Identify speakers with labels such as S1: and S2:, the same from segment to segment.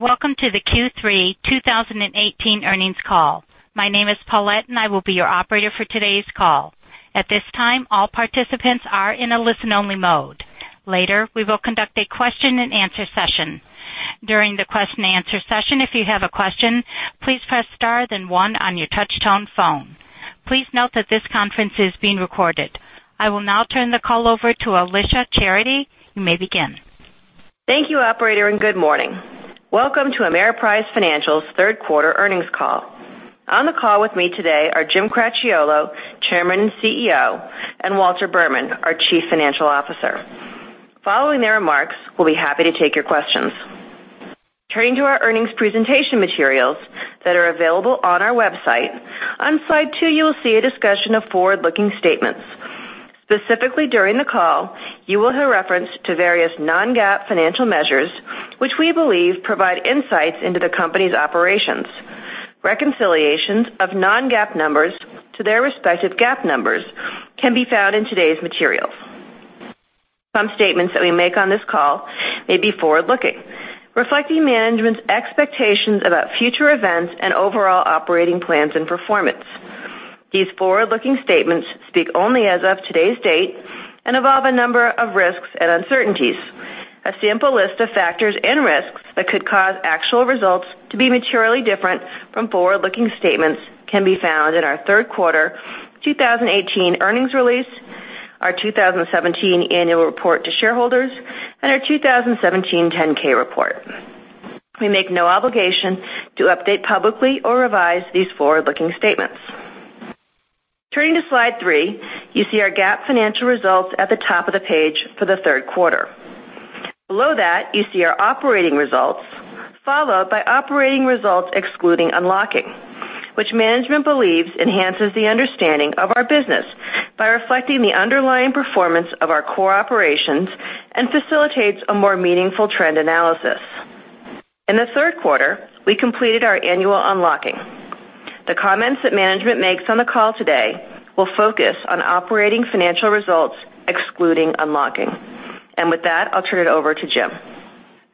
S1: Welcome to the Q3 2018 earnings call. My name is Paulette, and I will be your operator for today's call. At this time, all participants are in a listen-only mode. Later, we will conduct a question and answer session. During the question and answer session, if you have a question, please press star then one on your touchtone phone. Please note that this conference is being recorded. I will now turn the call over to Alicia Charity. You may begin.
S2: Thank you operator, good morning. Welcome to Ameriprise Financial's third quarter earnings call. On the call with me today are Jim Cracchiolo, Chairman and CEO, and Walter Berman, our Chief Financial Officer. Following their remarks, we will be happy to take your questions. Turning to our earnings presentation materials that are available on our website. On slide two, you will see a discussion of forward-looking statements. Specifically during the call, you will hear reference to various non-GAAP financial measures, which we believe provide insights into the company's operations. Reconciliations of non-GAAP numbers to their respective GAAP numbers can be found in today's materials. Some statements that we make on this call may be forward-looking, reflecting management's expectations about future events and overall operating plans and performance. These forward-looking statements speak only as of today's date and involve a number of risks and uncertainties. A sample list of factors and risks that could cause actual results to be materially different from forward-looking statements can be found in our third quarter 2018 earnings release, our 2017 Annual Report to Shareholders, and our 2017 10-K report. We make no obligation to update publicly or revise these forward-looking statements. Turning to slide three, you see our GAAP financial results at the top of the page for the third quarter. Below that, you see our operating results, followed by operating results excluding unlocking, which management believes enhances the understanding of our business by reflecting the underlying performance of our core operations and facilitates a more meaningful trend analysis. In the third quarter, we completed our annual unlocking. The comments that management makes on the call today will focus on operating financial results excluding unlocking. With that, I will turn it over to Jim.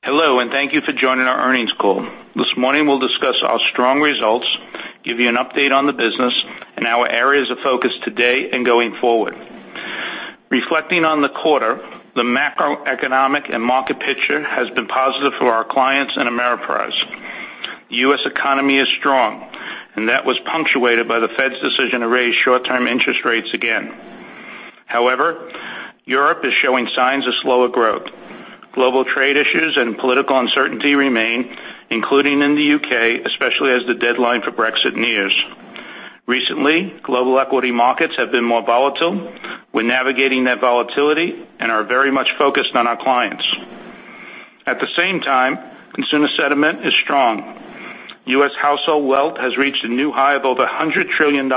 S3: Hello, thank you for joining our earnings call. This morning we will discuss our strong results, give you an update on the business and our areas of focus today and going forward. Reflecting on the quarter, the macroeconomic and market picture has been positive for our clients and Ameriprise. The U.S. economy is strong, that was punctuated by the Fed's decision to raise short-term interest rates again. Europe is showing signs of slower growth. Global trade issues and political uncertainty remain, including in the U.K., especially as the deadline for Brexit nears. Recently, global equity markets have been more volatile. We are navigating that volatility and are very much focused on our clients. At the same time, consumer sentiment is strong. U.S. household wealth has reached a new high of over $100 trillion,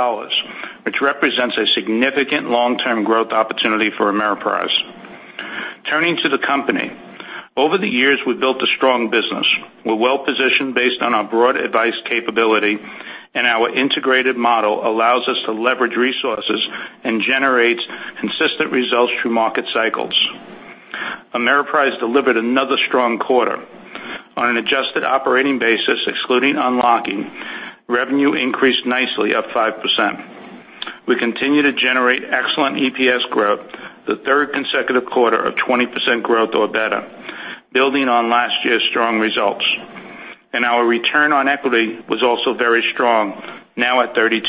S3: which represents a significant long-term growth opportunity for Ameriprise. Turning to the company. Over the years, we've built a strong business. We're well-positioned based on our broad advice capability, and our integrated model allows us to leverage resources and generates consistent results through market cycles. Ameriprise delivered another strong quarter. On an adjusted operating basis, excluding unlocking, revenue increased nicely, up 5%. We continue to generate excellent EPS growth, the third consecutive quarter of 20% growth or better, building on last year's strong results. Our return on equity was also very strong, now at 32%.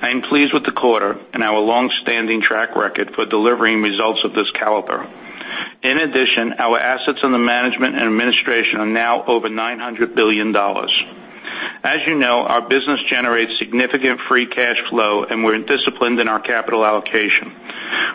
S3: I am pleased with the quarter and our long-standing track record for delivering results of this caliber. In addition, our assets under management and administration are now over $900 billion. As you know, our business generates significant free cash flow, and we're disciplined in our capital allocation.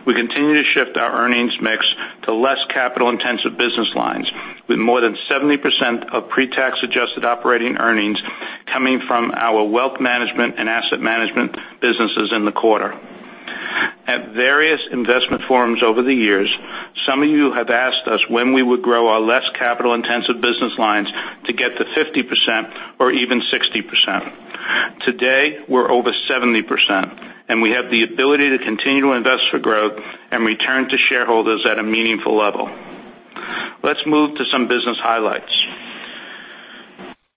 S3: We continue to shift our earnings mix to less capital-intensive business lines, with more than 70% of pre-tax adjusted operating earnings coming from our wealth management and asset management businesses in the quarter. At various investment forums over the years, some of you have asked us when we would grow our less capital-intensive business lines to get to 50% or even 60%. Today, we're over 70%, and we have the ability to continue to invest for growth and return to shareholders at a meaningful level. Let's move to some business highlights.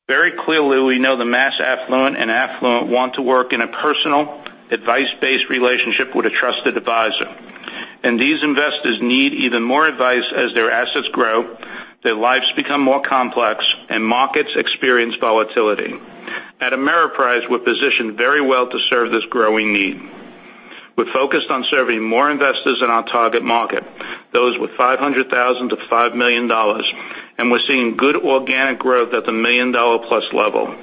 S3: Very clearly, we know the mass affluent and affluent want to work in a personal, advice-based relationship with a trusted advisor. These investors need even more advice as their assets grow, their lives become more complex, and markets experience volatility. At Ameriprise, we're positioned very well to serve this growing need. We're focused on serving more investors in our target market, those with $500,000-$5 million, and we're seeing good organic growth at the million-dollar-plus level.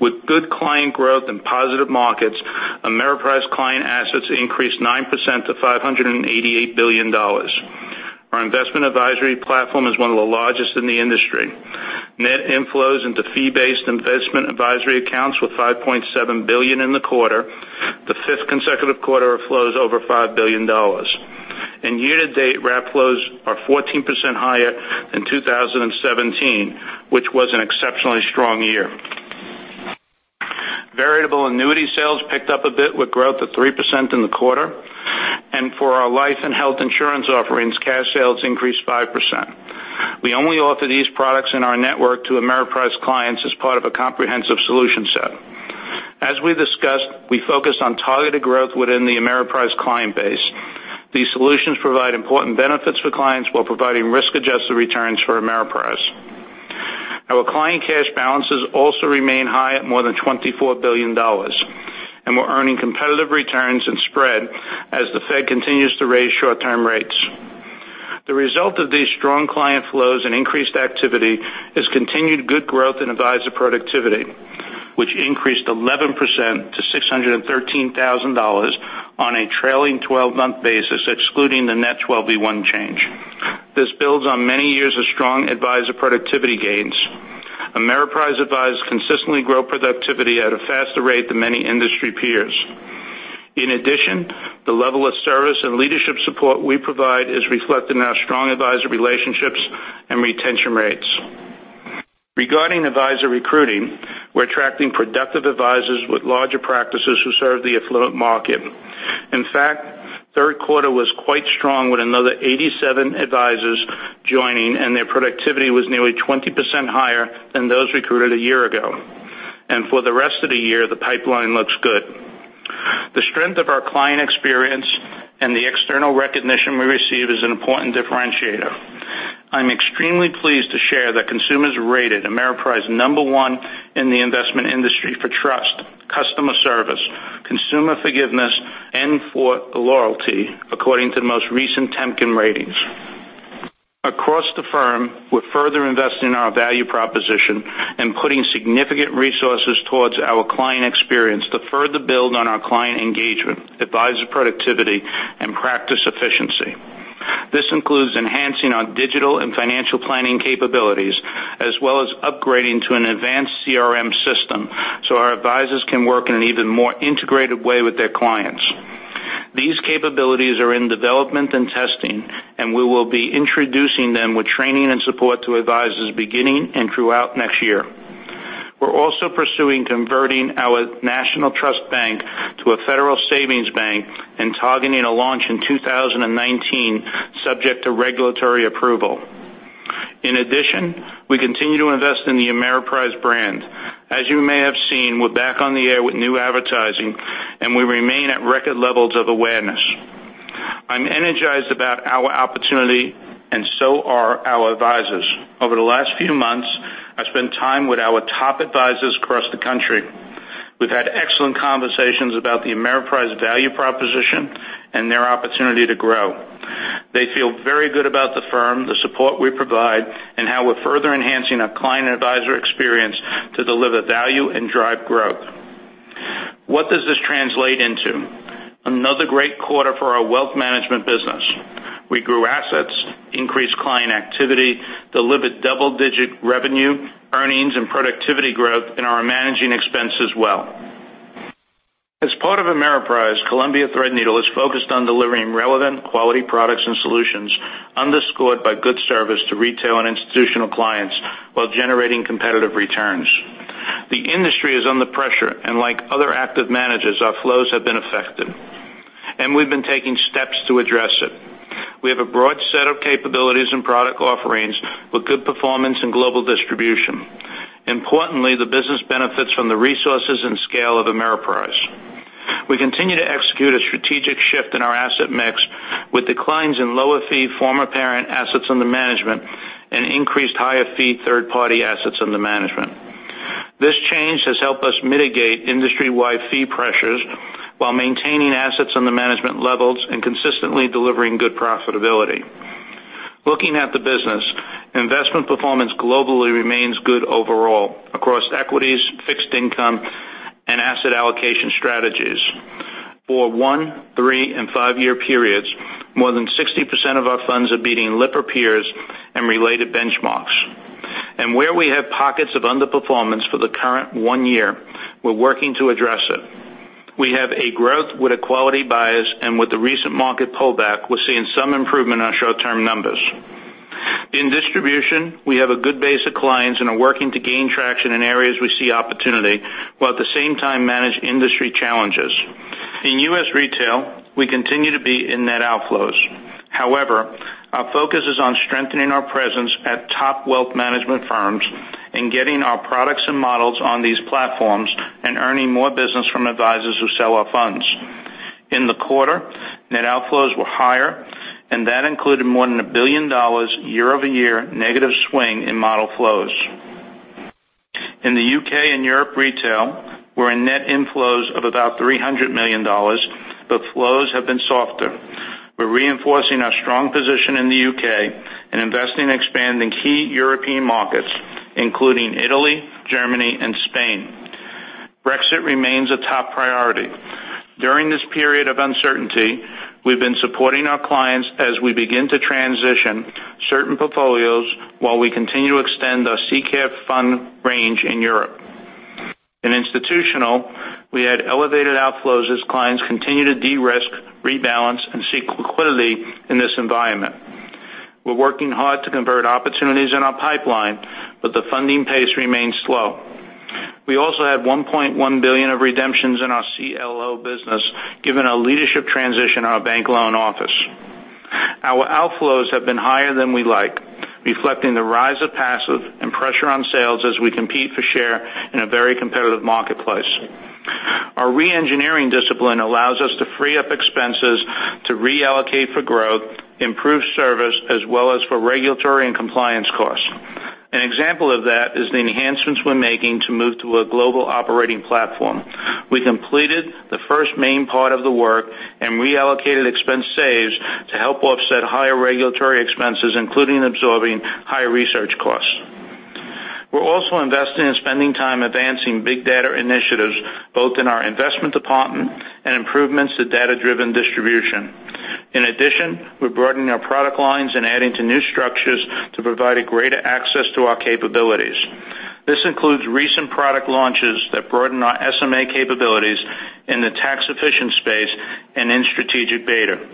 S3: With good client growth and positive markets, Ameriprise client assets increased 9% to $588 billion. Our investment advisory platform is one of the largest in the industry. Net inflows into fee-based investment advisory accounts were $5.7 billion in the quarter, the fifth consecutive quarter of flows over $5 billion. Year-to-date, rap flows are 14% higher than 2017, which was an exceptionally strong year. Variable annuity sales picked up a bit with growth of 3% in the quarter. For our life and health insurance offerings, cash sales increased 5%. We only offer these products in our network to Ameriprise clients as part of a comprehensive solution set. As we discussed, we focused on targeted growth within the Ameriprise client base. These solutions provide important benefits for clients while providing risk-adjusted returns for Ameriprise. Our client cash balances also remain high at more than $24 billion. We're earning competitive returns and spread as the Fed continues to raise short-term rates. The result of these strong client flows and increased activity is continued good growth in advisor productivity, which increased 11% to $613,000 on a trailing 12-month basis, excluding the net 12b-1 change. This builds on many years of strong advisor productivity gains. Ameriprise advisors consistently grow productivity at a faster rate than many industry peers. In addition, the level of service and leadership support we provide is reflected in our strong advisor relationships and retention rates. Regarding advisor recruiting, we're attracting productive advisors with larger practices who serve the affluent market. In fact, third quarter was quite strong with another 87 advisors joining, their productivity was nearly 20% higher than those recruited a year ago. For the rest of the year, the pipeline looks good. The strength of our client experience and the external recognition we receive is an important differentiator. I'm extremely pleased to share that consumers rated Ameriprise number one in the investment industry for trust, customer service, consumer forgiveness, and for loyalty, according to the most recent Temkin ratings. Across the firm, we're further investing in our value proposition and putting significant resources towards our client experience to further build on our client engagement, advisor productivity, and practice efficiency. This includes enhancing our digital and financial planning capabilities, as well as upgrading to an advanced CRM system so our advisors can work in an even more integrated way with their clients. These capabilities are in development and testing, we will be introducing them with training and support to advisors beginning and throughout next year. We're also pursuing converting our national trust bank to a federal savings bank and targeting a launch in 2019, subject to regulatory approval. In addition, we continue to invest in the Ameriprise brand. As you may have seen, we're back on the air with new advertising, we remain at record levels of awareness. I'm energized about our opportunity and so are our advisors. Over the last few months, I've spent time with our top advisors across the country. We've had excellent conversations about the Ameriprise value proposition and their opportunity to grow. They feel very good about the firm, the support we provide, and how we're further enhancing our client advisor experience to deliver value and drive growth. What does this translate into? Another great quarter for our wealth management business. We grew assets, increased client activity, delivered double-digit revenue, earnings, and productivity growth, are managing expense as well. As part of Ameriprise, Columbia Threadneedle is focused on delivering relevant quality products and solutions underscored by good service to retail and institutional clients while generating competitive returns. The industry is under pressure, like other active managers, our flows have been affected, we've been taking steps to address it. We have a broad set of capabilities and product offerings with good performance and global distribution. Importantly, the business benefits from the resources and scale of Ameriprise. We continue to execute a strategic shift in our asset mix with declines in lower-fee former parent assets under management and increased higher-fee third-party assets under management. This change has helped us mitigate industry-wide fee pressures while maintaining assets under management levels and consistently delivering good profitability. Looking at the business, investment performance globally remains good overall across equities, fixed income, and asset allocation strategies. For one, three, and five-year periods, more than 60% of our funds are beating Lipper peers and related benchmarks. Where we have pockets of underperformance for the current one year, we're working to address it. We have a growth with a quality bias, with the recent market pullback, we're seeing some improvement on short-term numbers. In distribution, we have a good base of clients are working to gain traction in areas we see opportunity, while at the same time manage industry challenges. In U.S. retail, we continue to be in net outflows. Our focus is on strengthening our presence at top wealth management firms and getting our products and models on these platforms and earning more business from advisors who sell our funds. In the quarter, net outflows were higher, and that included more than a $1 billion year-over-year negative swing in model flows. In the U.K. and Europe retail, we're in net inflows of about $300 million, but flows have been softer. We're reinforcing our strong position in the U.K. and investing and expanding key European markets, including Italy, Germany, and Spain. Brexit remains a top priority. During this period of uncertainty, we've been supporting our clients as we begin to transition certain portfolios while we continue to extend our SICAV fund range in Europe. In institutional, we had elevated outflows as clients continue to de-risk, rebalance, and seek liquidity in this environment. We're working hard to convert opportunities in our pipeline, the funding pace remains slow. We also had $1.1 billion of redemptions in our CLO business, given a leadership transition in our bank loan office. Our outflows have been higher than we like, reflecting the rise of passive and pressure on sales as we compete for share in a very competitive marketplace. Our re-engineering discipline allows us to free up expenses to reallocate for growth, improve service, as well as for regulatory and compliance costs. An example of that is the enhancements we're making to move to a global operating platform. We completed the first main part of the work and reallocated expense saves to help offset higher regulatory expenses, including absorbing higher research costs. We're also investing in spending time advancing big data initiatives, both in our investment department and improvements to data-driven distribution. We're broadening our product lines and adding to new structures to provide a greater access to our capabilities. This includes recent product launches that broaden our SMA capabilities in the tax-efficient space and in strategic beta.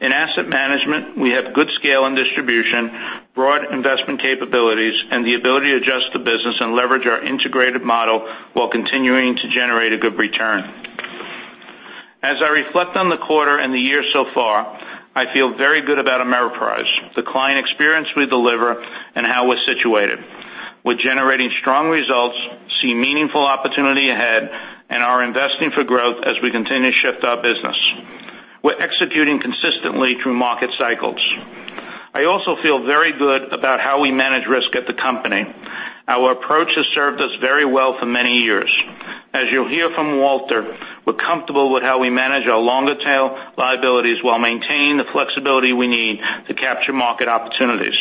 S3: In asset management, we have good scale and distribution, broad investment capabilities, and the ability to adjust the business and leverage our integrated model while continuing to generate a good return. As I reflect on the quarter and the year so far, I feel very good about Ameriprise, the client experience we deliver, and how we're situated. We're generating strong results, see meaningful opportunity ahead, and are investing for growth as we continue to shift our business. We're executing consistently through market cycles. I also feel very good about how we manage risk at the company. Our approach has served us very well for many years. As you'll hear from Walter, we're comfortable with how we manage our longer tail liabilities while maintaining the flexibility we need to capture market opportunities.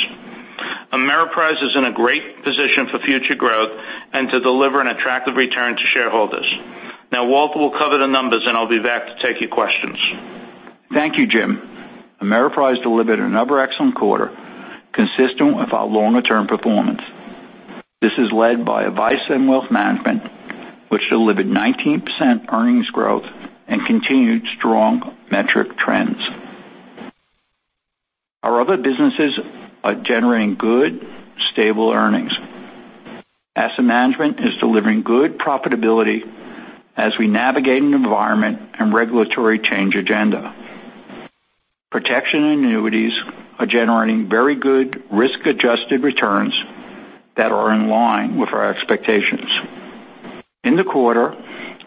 S3: Ameriprise is in a great position for future growth and to deliver an attractive return to shareholders. Walter will cover the numbers, and I'll be back to take your questions.
S4: Thank you, Jim. Ameriprise delivered another excellent quarter consistent with our longer-term performance. This is led by Advice & Wealth Management, which delivered 19% earnings growth and continued strong metric trends. Our other businesses are generating good, stable earnings. Asset Management is delivering good profitability as we navigate an environment and regulatory change agenda. Protection and Annuities are generating very good risk-adjusted returns that are in line with our expectations. In the quarter,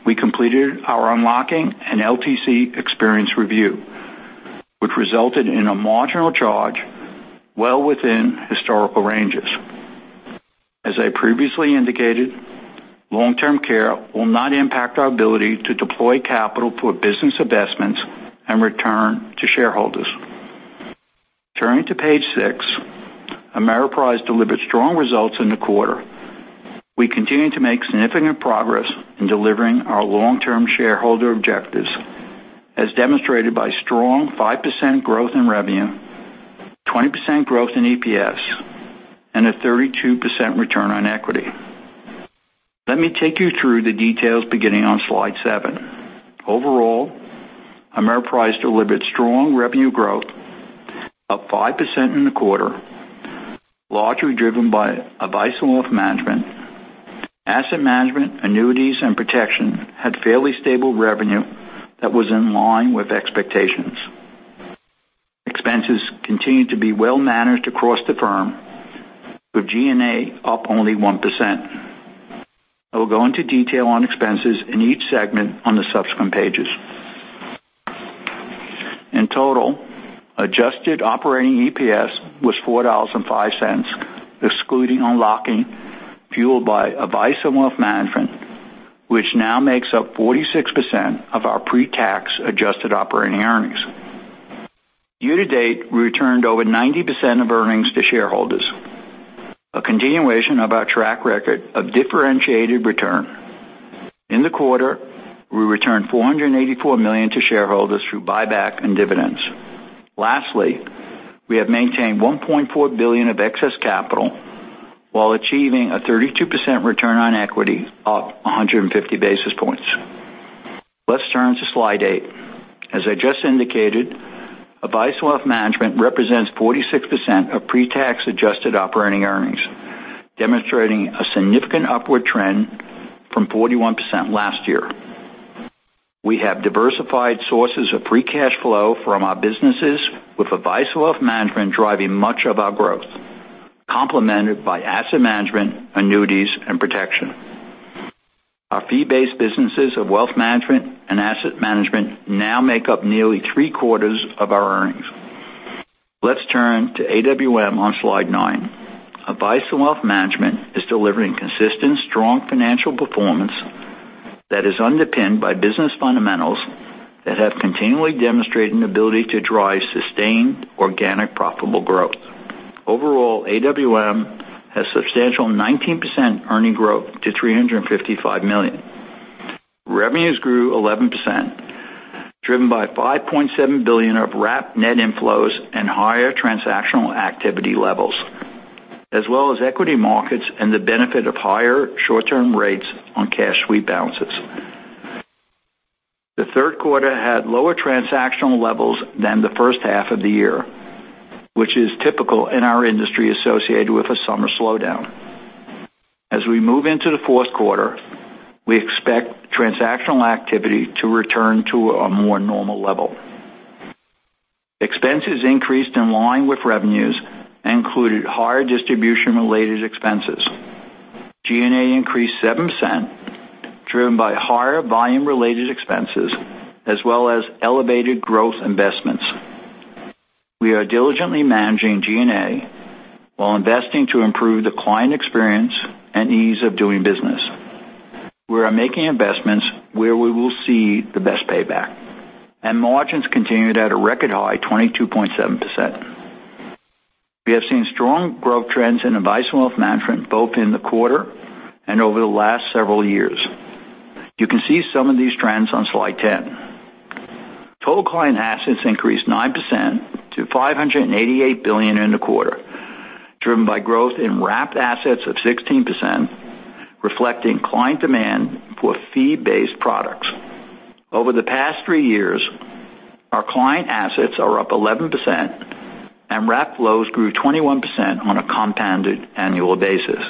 S4: we completed our unlocking and LTC experience review, which resulted in a marginal charge well within historical ranges. As I previously indicated, long-term care will not impact our ability to deploy capital for business investments and return to shareholders. Turning to page six, Ameriprise delivered strong results in the quarter. We continue to make significant progress in delivering our long-term shareholder objectives, as demonstrated by strong 5% growth in revenue, 20% growth in EPS, and a 32% return on equity. Let me take you through the details beginning on slide seven. Overall, Ameriprise delivered strong revenue growth up 5% in the quarter, largely driven by Advice & Wealth Management. Asset Management, Annuities, and Protection had fairly stable revenue that was in line with expectations. Expenses continued to be well managed across the firm, with G&A up only 1%. I will go into detail on expenses in each segment on the subsequent pages. In total, adjusted operating EPS was $4.05, excluding unlocking, fueled by Advice & Wealth Management, which now makes up 46% of our pre-tax adjusted operating earnings. Year to date, we returned over 90% of earnings to shareholders, a continuation of our track record of differentiated return. In the quarter, we returned $484 million to shareholders through buyback and dividends. Lastly, we have maintained $1.4 billion of excess capital while achieving a 32% return on equity, up 150 basis points. Let's turn to slide eight. As I just indicated, Advice & Wealth Management represents 46% of pre-tax adjusted operating earnings, demonstrating a significant upward trend from 41% last year. We have diversified sources of free cash flow from our businesses, with Advice & Wealth Management driving much of our growth, complemented by Asset Management, Annuities, and Protection. Our fee-based businesses of Wealth Management and Asset Management now make up nearly three-quarters of our earnings. Let's turn to AWM on slide nine. Advice & Wealth Management is delivering consistent, strong financial performance that is underpinned by business fundamentals that have continually demonstrated an ability to drive sustained, organic, profitable growth. Overall, AWM has substantial 19% earning growth to $355 million. Revenues grew 11%, driven by $5.7 billion of wrapped net inflows and higher transactional activity levels, as well as equity markets and the benefit of higher short-term rates on cash sweep balances. The third quarter had lower transactional levels than the first half of the year, which is typical in our industry associated with a summer slowdown. As we move into the fourth quarter, we expect transactional activity to return to a more normal level. Expenses increased in line with revenues and included higher distribution-related expenses. G&A increased 7%, driven by higher volume-related expenses, as well as elevated growth investments. We are diligently managing G&A while investing to improve the client experience and ease of doing business. Margins continued at a record high 22.7%. We have seen strong growth trends in Advice & Wealth Management both in the quarter and over the last several years. You can see some of these trends on slide 10. Total client assets increased 9% to $588 billion in the quarter, driven by growth in wrapped assets of 16%, reflecting client demand for fee-based products. Over the past three years, our client assets are up 11%, and wrapped flows grew 21% on a compounded annual basis.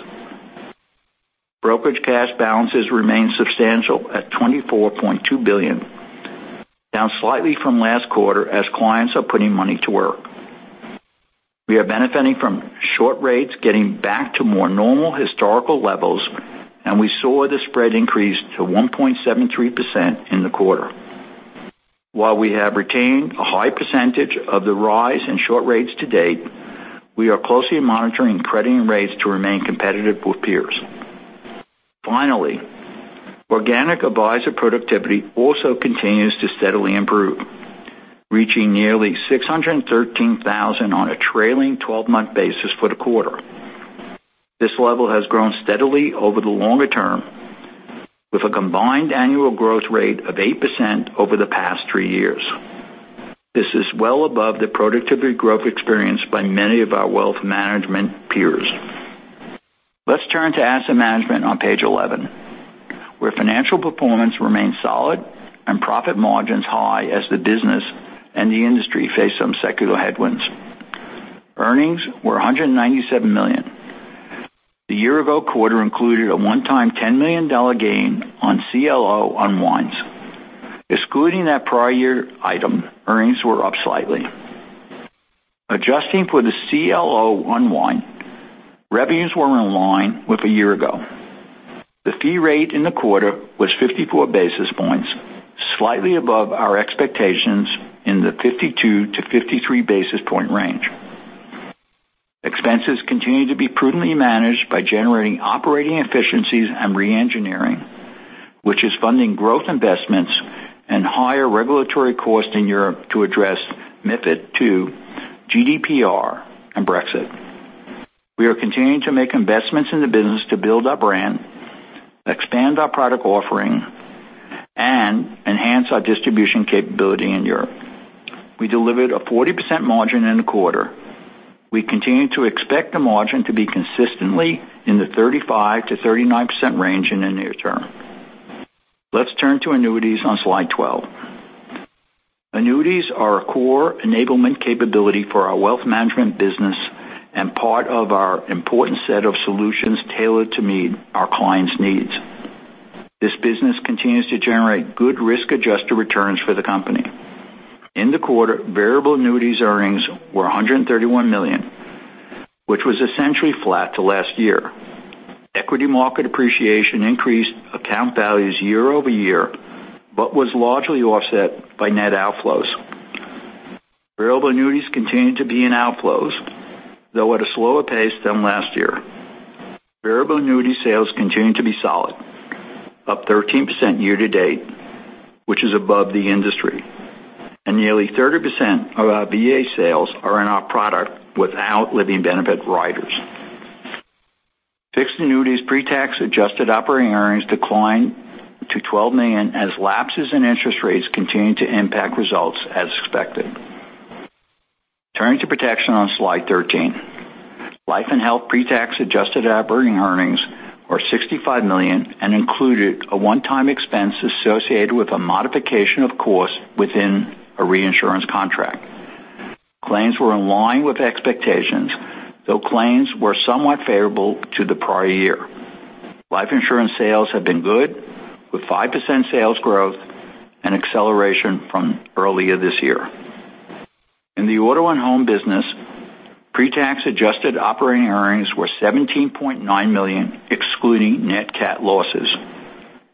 S4: Brokerage cash balances remain substantial at $24.2 billion, down slightly from last quarter as clients are putting money to work. We are benefiting from short rates getting back to more normal historical levels, and we saw the spread increase to 1.73% in the quarter. While we have retained a high percentage of the rise in short rates to date, we are closely monitoring credit and rates to remain competitive with peers. Finally, organic advisor productivity also continues to steadily improve, reaching nearly $613,000 on a trailing 12-month basis for the quarter. This level has grown steadily over the longer term with a combined annual growth rate of 8% over the past three years. This is well above the productivity growth experienced by many of our wealth management peers. Let's turn to asset management on page 11, where financial performance remains solid and profit margins high as the business and the industry face some secular headwinds. Earnings were $197 million. The year-ago quarter included a one-time $10 million gain on CLO unwinds. Excluding that prior year item, earnings were up slightly. Adjusting for the CLO unwind, revenues were in line with a year ago. The fee rate in the quarter was 54 basis points, slightly above our expectations in the 52-53 basis point range. Expenses continue to be prudently managed by generating operating efficiencies and re-engineering, which is funding growth investments and higher regulatory costs in Europe to address MiFID II, GDPR, and Brexit. We are continuing to make investments in the business to build our brand, expand our product offering, and enhance our distribution capability in Europe. We delivered a 40% margin in the quarter. We continue to expect the margin to be consistently in the 35%-39% range in the near term. Let's turn to Annuities on slide 12. Annuities are a core enablement capability for our wealth management business and part of our important set of solutions tailored to meet our clients' needs. This business continues to generate good risk-adjusted returns for the company. In the quarter, variable annuities earnings were $131 million, which was essentially flat to last year. Equity market appreciation increased account values year-over-year, but was largely offset by net outflows. Variable annuities continue to be in outflows, though at a slower pace than last year. Variable annuity sales continue to be solid, up 13% year to date, which is above the industry, and nearly 30% of our VA sales are in our product without living benefit riders. Fixed annuities pre-tax adjusted operating earnings declined to $12 million as lapses in interest rates continue to impact results as expected. Turning to protection on slide 13. Life and health pre-tax adjusted operating earnings are $65 million and included a one-time expense associated with a modification of cost within a reinsurance contract. Claims were in line with expectations, though claims were somewhat favorable to the prior year. Life insurance sales have been good with 5% sales growth and acceleration from earlier this year. In the auto and home business, pre-tax adjusted operating earnings were $17.9 million, excluding net cat losses.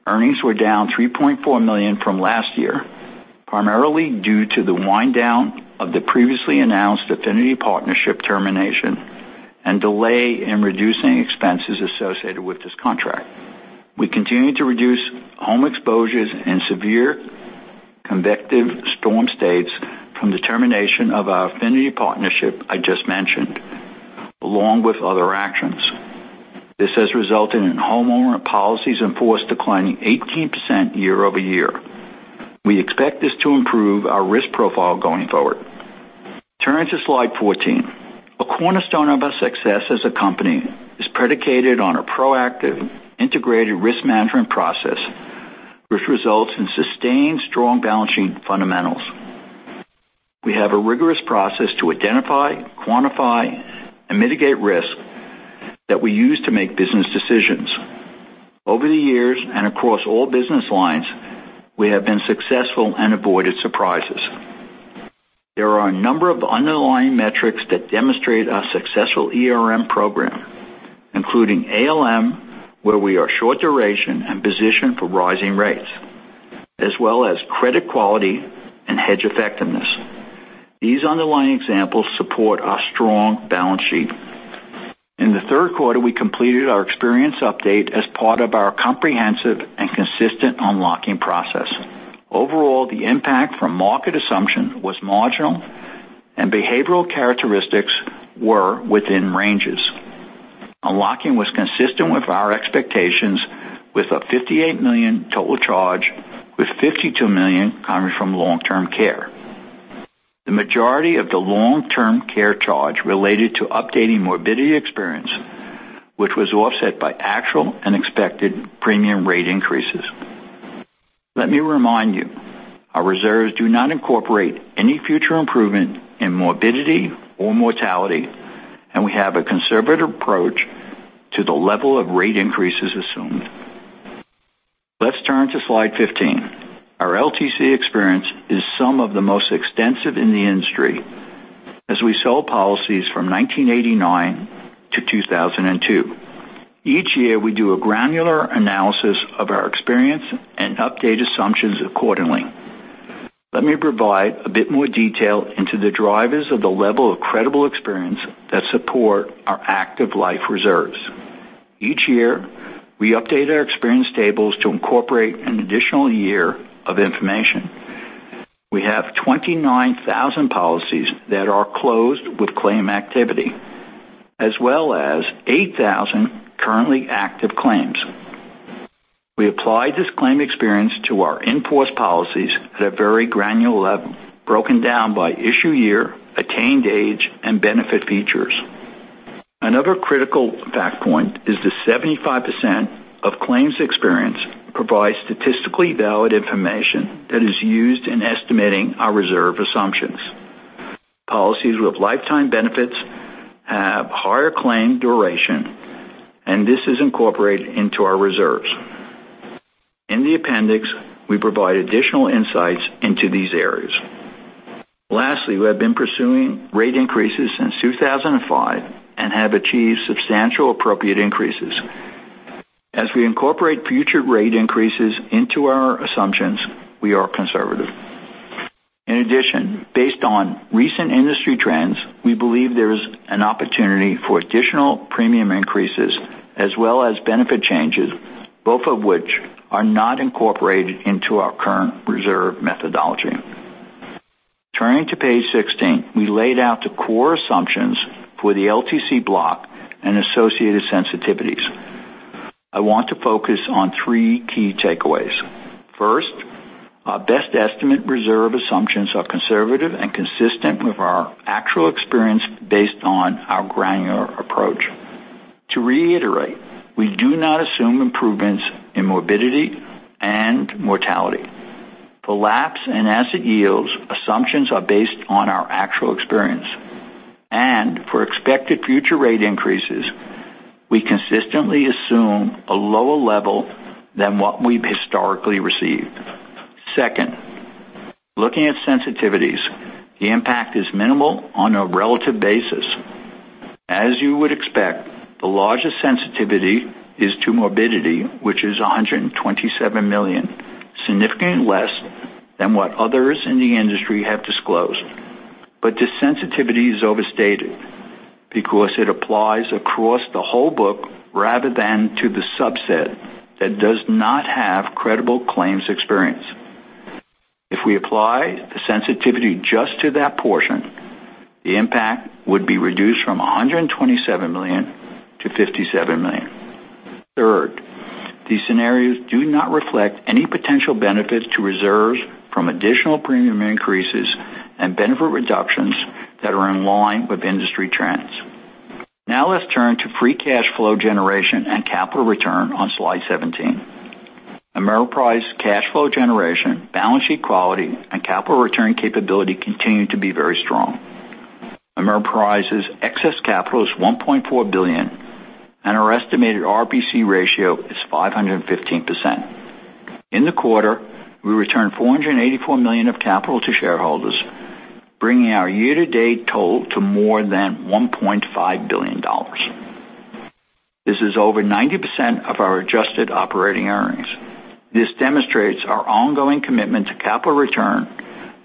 S4: Earnings were down $3.4 million from last year, primarily due to the wind down of the previously announced affinity partnership termination and delay in reducing expenses associated with this contract. We continue to reduce home exposures in severe convective storm states from the termination of our affinity partnership I just mentioned, along with other actions. This has resulted in homeowner policies in force declining 18% year-over-year. We expect this to improve our risk profile going forward. Turning to slide 14. A cornerstone of our success as a company is predicated on a proactive, integrated risk management process, which results in sustained strong balance sheet fundamentals. We have a rigorous process to identify, quantify, and mitigate risk that we use to make business decisions. Over the years and across all business lines, we have been successful and avoided surprises. There are a number of underlying metrics that demonstrate our successful ERM program, including ALM, where we are short duration and positioned for rising rates, as well as credit quality and hedge effectiveness. These underlying examples support our strong balance sheet. In the third quarter, we completed our experience update as part of our comprehensive and consistent unlocking process. Overall, the impact from market assumption was marginal, and behavioral characteristics were within ranges. Unlocking was consistent with our expectations, with a $58 million total charge, with $52 million coming from long-term care. The majority of the long-term care charge related to updating morbidity experience, which was offset by actual and expected premium rate increases. Let me remind you, our reserves do not incorporate any future improvement in morbidity or mortality, and we have a conservative approach to the level of rate increases assumed. Let's turn to slide 15. Our LTC experience is some of the most extensive in the industry, as we sell policies from 1989 to 2002. Each year, we do a granular analysis of our experience and update assumptions accordingly. Let me provide a bit more detail into the drivers of the level of credible experience that support our active life reserves. Each year, we update our experience tables to incorporate an additional year of information. We have 29,000 policies that are closed with claim activity, as well as 8,000 currently active claims. We apply this claim experience to our in-force policies at a very granular level, broken down by issue year, attained age, and benefit features. Another critical data point is that 75% of claims experience provides statistically valid information that is used in estimating our reserve assumptions. Policies with lifetime benefits have higher claim duration, and this is incorporated into our reserves. In the appendix, we provide additional insights into these areas. Lastly, we have been pursuing rate increases since 2005 and have achieved substantial appropriate increases. As we incorporate future rate increases into our assumptions, we are conservative. In addition, based on recent industry trends, we believe there is an opportunity for additional premium increases as well as benefit changes, both of which are not incorporated into our current reserve methodology. Turning to page 16, we laid out the core assumptions for the LTC block and associated sensitivities. I want to focus on three key takeaways. First, our best estimate reserve assumptions are conservative and consistent with our actual experience based on our granular approach. To reiterate, we do not assume improvements in morbidity and mortality. The lapse and asset yields assumptions are based on our actual experience. For expected future rate increases, we consistently assume a lower level than what we've historically received. Second, looking at sensitivities, the impact is minimal on a relative basis. As you would expect, the largest sensitivity is to morbidity, which is $127 million, significantly less than what others in the industry have disclosed. The sensitivity is overstated because it applies across the whole book rather than to the subset that does not have credible claims experience. If we apply the sensitivity just to that portion, the impact would be reduced from $127 million to $57 million. Third, these scenarios do not reflect any potential benefits to reserves from additional premium increases and benefit reductions that are in line with industry trends. Now let's turn to free cash flow generation and capital return on Slide 17. Ameriprise cash flow generation, balance sheet quality, and capital return capability continue to be very strong. Ameriprise's excess capital is $1.4 billion, and our estimated RBC ratio is 515%. In the quarter, we returned $484 million of capital to shareholders, bringing our year-to-date total to more than $1.5 billion. This is over 90% of our adjusted operating earnings. This demonstrates our ongoing commitment to capital return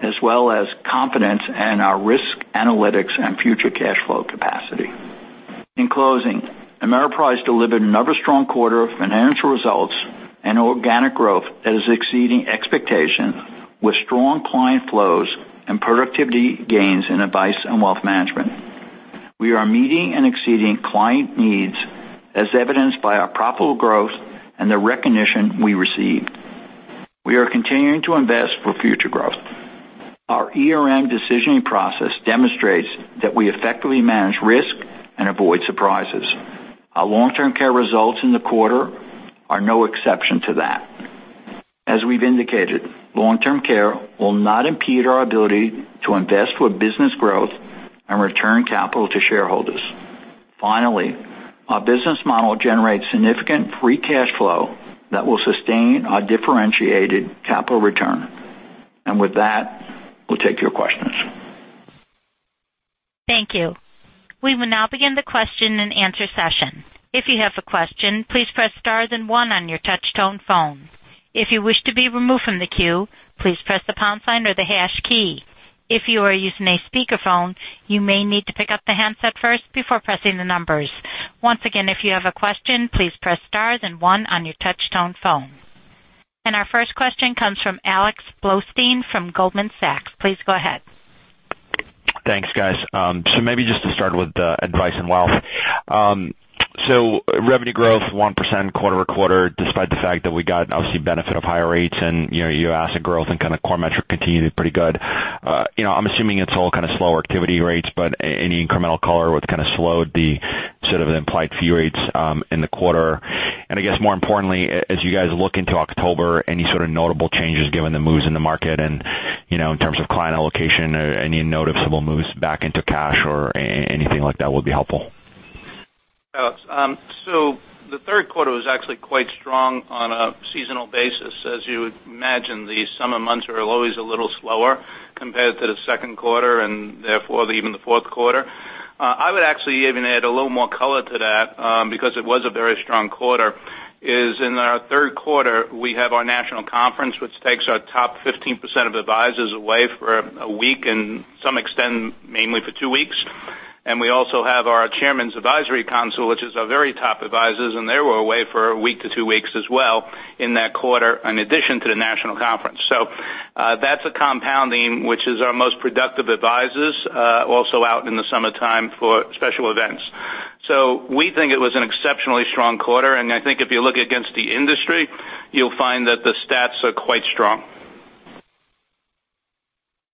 S4: as well as confidence in our risk analytics and future cash flow capacity. In closing, Ameriprise delivered another strong quarter of financial results and organic growth that is exceeding expectations with strong client flows and productivity gains in Advice and Wealth Management. We are meeting and exceeding client needs as evidenced by our profitable growth and the recognition we received.
S3: We are continuing to invest for future growth. Our ERM decisioning process demonstrates that we effectively manage risk and avoid surprises. Our long-term care results in the quarter are no exception to that. As we've indicated, long-term care will not impede our ability to invest for business growth and return capital to shareholders. Finally, our business model generates significant free cash flow that will sustain our differentiated capital return. With that, we'll take your questions.
S1: Thank you. We will now begin the question and answer session. If you have a question, please press star then one on your touch tone phone. If you wish to be removed from the queue, please press the pound sign or the hash key. If you are using a speakerphone, you may need to pick up the handset first before pressing the numbers. Once again, if you have a question, please press star then one on your touch tone phone. Our first question comes from Alex Blostein from Goldman Sachs. Please go ahead.
S5: Thanks, guys. Maybe just to start with Advice and Wealth. Revenue growth 1% quarter-over-quarter, despite the fact that we got, obviously, benefit of higher rates and your asset growth and kind of core metric continued pretty good. I'm assuming it's all kind of slower activity rates, but any incremental color, what kind of slowed the sort of implied fee rates in the quarter? I guess more importantly, as you guys look into October, any sort of notable changes given the moves in the market and in terms of client allocation or any noticeable moves back into cash or anything like that would be helpful.
S3: Alex. The third quarter was actually quite strong on a seasonal basis. As you would imagine, the summer months are always a little slower compared to the second quarter and therefore even the fourth quarter. I would actually even add a little more color to that, because it was a very strong quarter, is in our third quarter, we have our national conference, which takes our top 15% of advisors away for a week, and some extend mainly for 2 weeks. We also have our Chairman's Advisory Council, which is our very top advisors, and they were away for a week to 2 weeks as well in that quarter in addition to the national conference. That's a compounding, which is our most productive advisors, also out in the summertime for special events. We think it was an exceptionally strong quarter. I think if you look against the industry, you'll find that the stats are quite strong.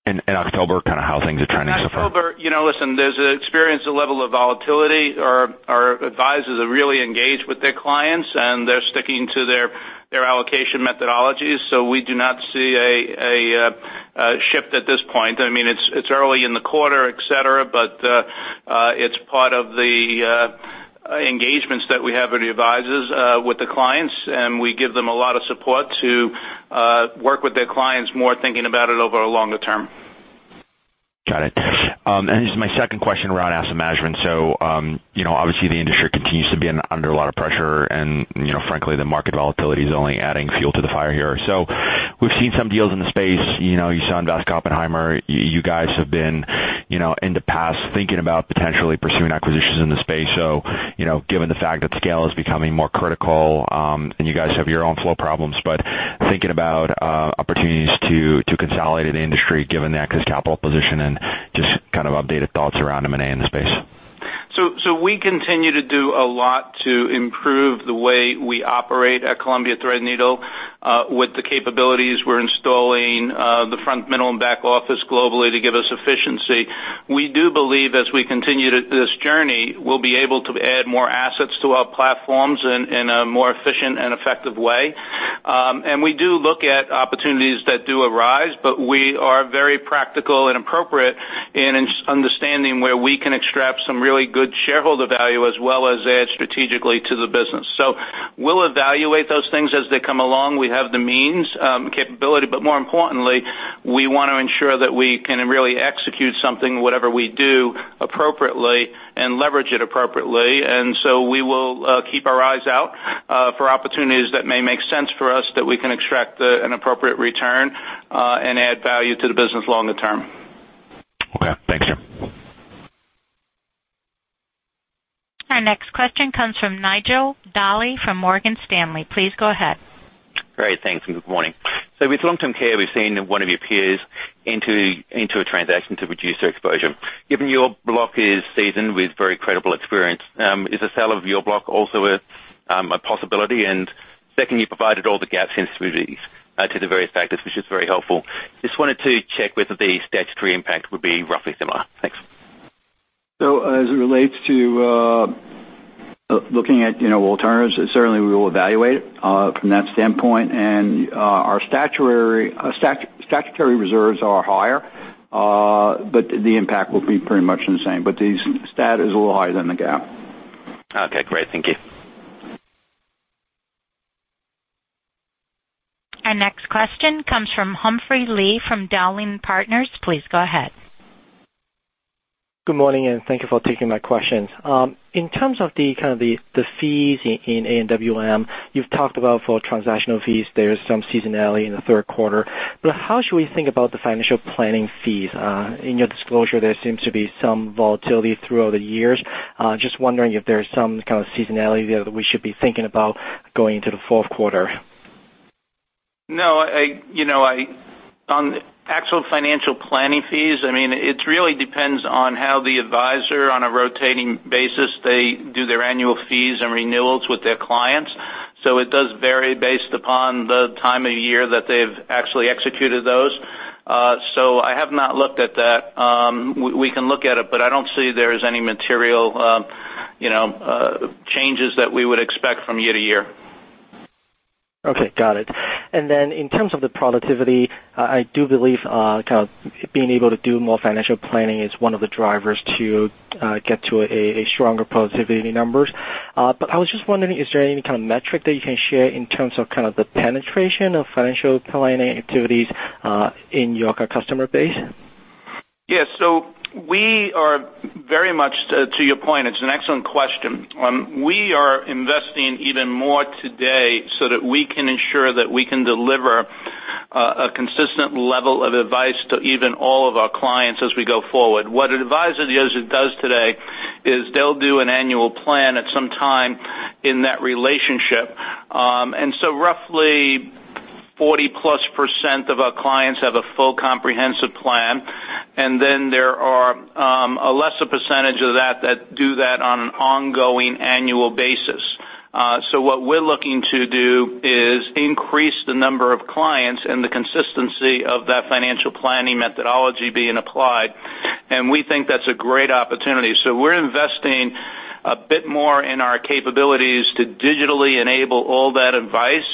S5: In October, kind of how things are trending so far?
S3: In October, listen, there's an experienced level of volatility. Our advisors are really engaged with their clients, and they're sticking to their allocation methodologies. We do not see a shift at this point. It's early in the quarter, et cetera, but it's part of the engagements that we have with the advisors, with the clients, and we give them a lot of support to work with their clients more thinking about it over a longer term.
S5: Got it. Here's my second question around asset management. Obviously the industry continues to be under a lot of pressure and frankly, the market volatility is only adding fuel to the fire here. We've seen some deals in the space. You saw Invesco Oppenheimer. You guys have been, in the past, thinking about potentially pursuing acquisitions in the space. Given the fact that scale is becoming more critical, and you guys have your own flow problems, but thinking about opportunities to consolidate in the industry given that, because capital position and just kind of updated thoughts around M&A in the space?
S3: We continue to do a lot to improve the way we operate at Columbia Threadneedle with the capabilities we're installing the front, middle, and back office globally to give us efficiency. We do believe as we continue this journey, we'll be able to add more assets to our platforms in a more efficient and effective way. We do look at opportunities that do arise, but we are very practical and appropriate in understanding where we can extract some really good shareholder value as well as add strategically to the business. We'll evaluate those things as they come along. We have the means, capability, but more importantly, we want to ensure that we can really execute something, whatever we do, appropriately and leverage it appropriately. We will keep our eyes out for opportunities that may make sense for us that we can extract an appropriate return, and add value to the business longer term.
S5: Okay. Thanks.
S1: Our next question comes from Nigel Dally from Morgan Stanley. Please go ahead.
S6: Great. Thanks, and good morning. With long-term care, we've seen one of your peers into a transaction to reduce their exposure. Given your block is seasoned with very credible experience, is the sale of your block also a possibility? Second, you provided all the GAAP sensitivities to the various factors, which is very helpful. Just wanted to check whether the statutory impact would be roughly similar. Thanks.
S3: As it relates to looking at alternatives, certainly we will evaluate it from that standpoint. Our statutory reserves are higher, but the impact will be pretty much the same, but the stat is a little higher than the GAAP.
S6: Okay, great. Thank you.
S1: Our next question comes from Humphrey Lee from Dowling & Partners. Please go ahead.
S7: Good morning, thank you for taking my questions. In terms of the fees in AWM, you've talked about for transactional fees, there's some seasonality in the third quarter. How should we think about the financial planning fees? In your disclosure, there seems to be some volatility throughout the years. Just wondering if there's some kind of seasonality there that we should be thinking about going into the fourth quarter.
S3: No. On actual financial planning fees, it really depends on how the advisor, on a rotating basis, they do their annual fees and renewals with their clients. It does vary based upon the time of year that they've actually executed those. I have not looked at that. We can look at it, but I don't see there is any material changes that we would expect from year to year.
S7: Okay. Got it. Then in terms of the productivity, I do believe being able to do more financial planning is one of the drivers to get to stronger productivity numbers. I was just wondering, is there any kind of metric that you can share in terms of kind of the penetration of financial planning activities in your customer base?
S3: Yes. To your point, it's an excellent question. We are investing even more today so that we can ensure that we can deliver a consistent level of advice to even all of our clients as we go forward. What an advisor does today is they'll do an annual plan at some time in that relationship. Roughly 40%-plus of our clients have a full comprehensive plan, then there are a lesser percentage of that do that on an ongoing annual basis. What we're looking to do is increase the number of clients and the consistency of that financial planning methodology being applied, and we think that's a great opportunity. We're investing a bit more in our capabilities to digitally enable all that advice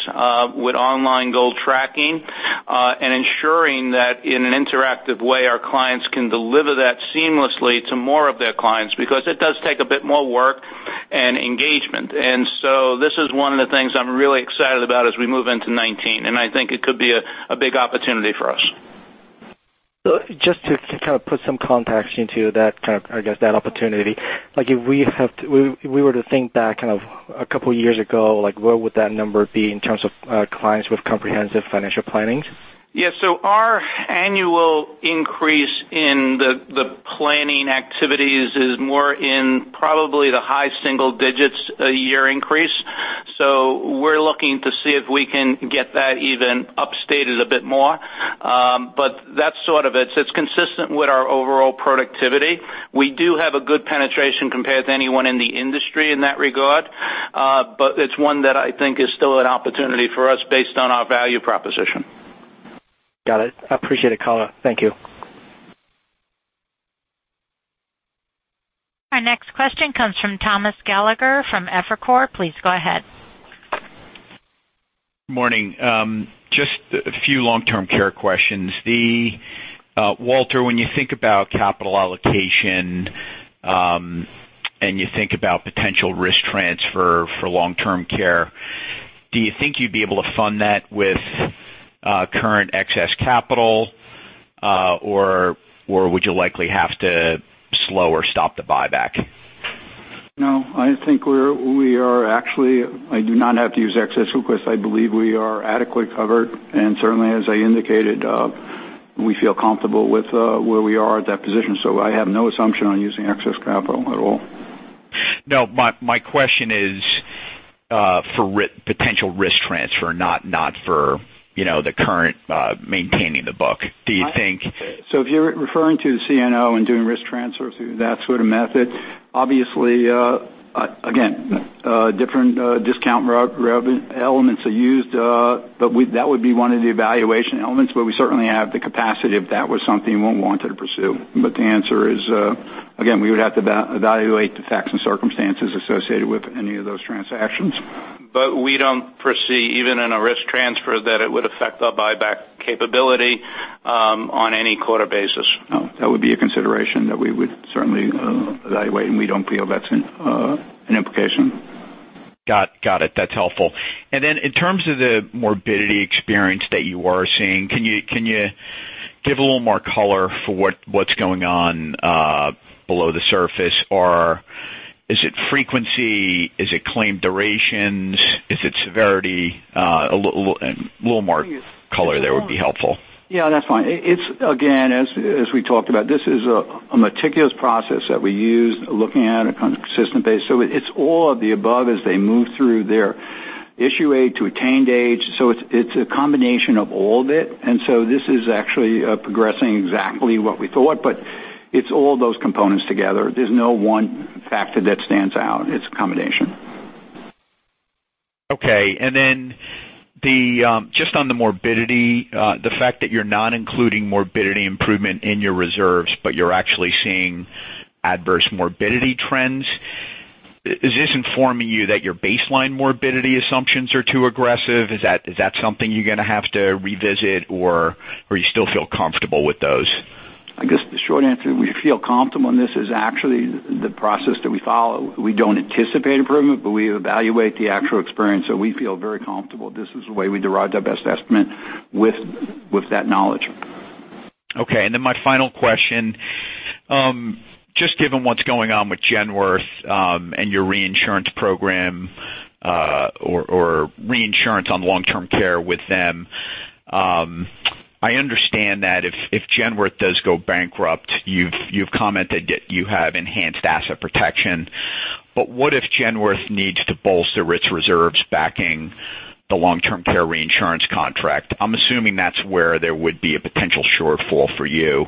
S3: with online goal tracking, and ensuring that in an interactive way, our clients can deliver that seamlessly to more of their clients, because it does take a bit more work and engagement. This is one of the things I'm really excited about as we move into 2019, and I think it could be a big opportunity for us.
S7: Just to kind of put some context into that opportunity, if we were to think back a couple of years ago, where would that number be in terms of clients with comprehensive financial plannings?
S3: Yes. Our annual increase in the planning activities is more in probably the high single digits a year increase. We're looking to see if we can get that even up stated a bit more. That's sort of it. It's consistent with our overall productivity. We do have a good penetration compared to anyone in the industry in that regard. It's one that I think is still an opportunity for us based on our value proposition.
S7: Got it. I appreciate it the color. Thank you.
S1: Our next question comes from Thomas Gallagher from Evercore. Please go ahead.
S8: Morning. Just a few long-term care questions. Walter, when you think about capital allocation, and you think about potential risk transfer for long-term care, do you think you'd be able to fund that with current excess capital, or would you likely have to slow or stop the buyback?
S4: I think we do not have to use excess surplus. I believe we are adequately covered, certainly, as I indicated, we feel comfortable with where we are at that position. I have no assumption on using excess capital at all.
S8: My question is for potential risk transfer, not for the current maintaining the book. Do you think-
S4: If you're referring to the CNO and doing risk transfer through that sort of method, obviously again, different discount elements are used, but that would be one of the evaluation elements. We certainly have the capacity if that was something one wanted to pursue. The answer is, again, we would have to evaluate the facts and circumstances associated with any of those transactions.
S3: We don't foresee, even in a risk transfer, that it would affect our buyback capability on any quarter basis.
S4: No, that would be a consideration that we would certainly evaluate, and we don't feel that's an implication.
S8: Got it. That's helpful. In terms of the morbidity experience that you are seeing, can you give a little more color for what's going on below the surface, or is it frequency? Is it claim durations? Is it severity? A little more color there would be helpful.
S4: Yeah, that's fine. Again, as we talked about, this is a meticulous process that we use, looking at it on a consistent basis. It's all of the above as they move through their issue age to attained age. It's a combination of all of it. This is actually progressing exactly what we thought, but it's all those components together. There's no one factor that stands out. It's a combination.
S8: Okay, just on the morbidity, the fact that you're not including morbidity improvement in your reserves, but you're actually seeing adverse morbidity trends. Is this informing you that your baseline morbidity assumptions are too aggressive? Is that something you're going to have to revisit, or you still feel comfortable with those?
S4: I guess the short answer, we feel comfortable, this is actually the process that we follow. We don't anticipate improvement, we evaluate the actual experience, we feel very comfortable. This is the way we derive the best estimate with that knowledge.
S8: Okay, my final question. Just given what's going on with Genworth, and your reinsurance program, or reinsurance on long-term care with them, I understand that if Genworth does go bankrupt, you've commented that you have enhanced asset protection. What if Genworth needs to bolster its reserves backing the long-term care reinsurance contract? I'm assuming that's where there would be a potential shortfall for you,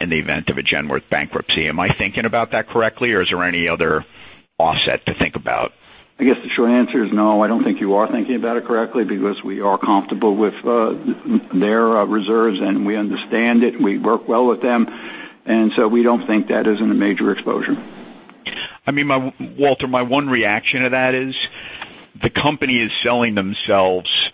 S8: in the event of a Genworth bankruptcy. Am I thinking about that correctly, or is there any other offset to think about?
S4: I guess the short answer is no, I don't think you are thinking about it correctly because we are comfortable with their reserves, we understand it, we work well with them. We don't think that is a major exposure.
S8: Walter, my one reaction to that is the company is selling themselves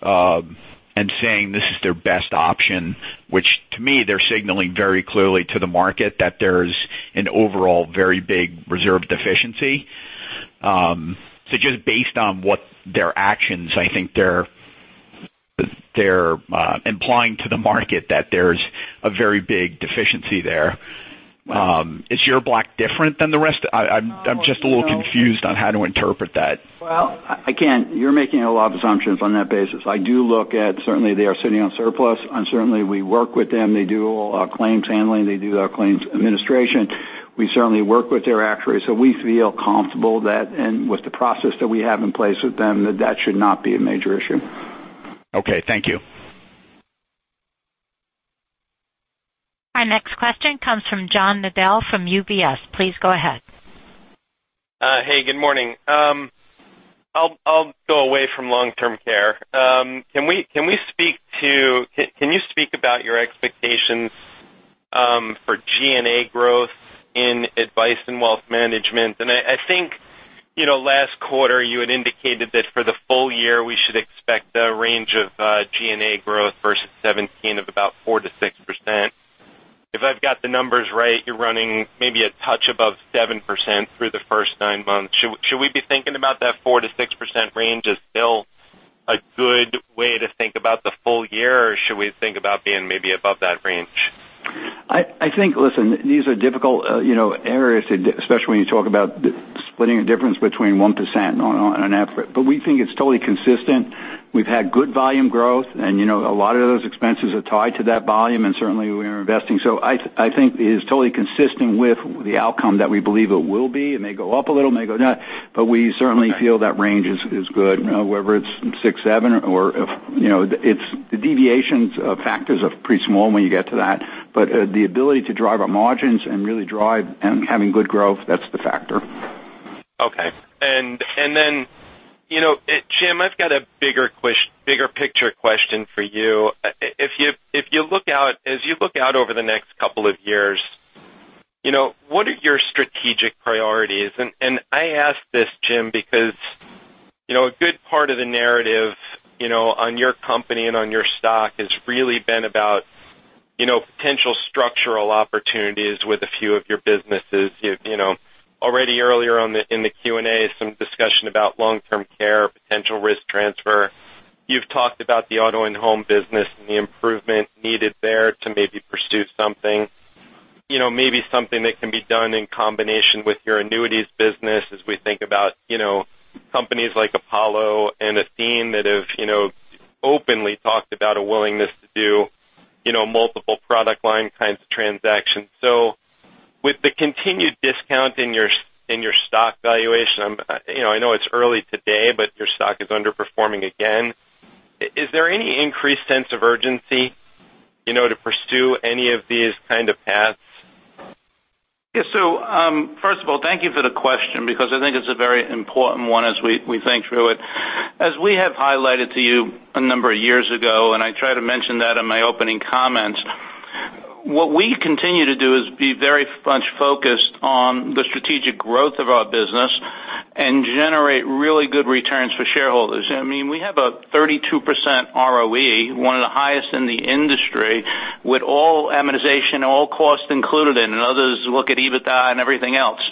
S8: and saying this is their best option, which to me, they're signaling very clearly to the market that there's an overall very big reserve deficiency. Just based on what their actions, I think they're implying to the market that there's a very big deficiency there. Is your block different than the rest? I'm just a little confused on how to interpret that.
S4: Well, again, you're making a lot of assumptions on that basis. I do look at certainly they are sitting on surplus, and certainly we work with them. They do all our claims handling. They do our claims administration. We certainly work with their actuaries. We feel comfortable that, and with the process that we have in place with them, that that should not be a major issue.
S8: Okay, thank you.
S1: Our next question comes from John Barnidge from UBS. Please go ahead.
S9: Good morning. I'll go away from long-term care. Can you speak about your expectations for G&A growth in advice and wealth management? I think last quarter you had indicated that for the full year we should expect a range of G&A growth versus 2017 of about 4%-6%. If I've got the numbers right, you're running maybe a touch above 7% through the first nine months. Should we be thinking about that 4%-6% range as still a good way to think about the full year, or should we think about being maybe above that range?
S4: I think, listen, these are difficult areas, especially when you talk about splitting a difference between 1% on an effort. We think it's totally consistent. We've had good volume growth, a lot of those expenses are tied to that volume, and certainly we are investing. I think it is totally consistent with the outcome that we believe it will be. It may go up a little, it may go down, but we certainly feel that range is good, whether it's six, seven, or the deviations of factors are pretty small when you get to that. The ability to drive our margins and really drive and having good growth, that's the factor.
S9: Okay. Jim, I've got a bigger picture question for you. As you look out over the next couple of years, what are your strategic priorities? I ask this, Jim, because a good part of the narrative on your company and on your stock has really been about potential structural opportunities with a few of your businesses. Already earlier in the Q&A, some discussion about long-term care, potential risk transfer. You've talked about the auto and home business and the improvement needed there to maybe pursue something, maybe something that can be done in combination with your annuities business as we think about companies like Apollo and Athene that have openly talked about a willingness to do multiple product line kinds of transactions. With the continued discount in your stock valuation, I know it's early today, but your stock is underperforming again. Is there any increased sense of urgency to pursue any of these kind of paths?
S3: Yeah. First of all, thank you for the question because I think it's a very important one as we think through it. As we have highlighted to you a number of years ago, and I tried to mention that in my opening comments, what we continue to do is be very much focused on the strategic growth of our business and generate really good returns for shareholders. We have a 32% ROE, one of the highest in the industry, with all amortization, all costs included in, and others look at EBITDA and everything else.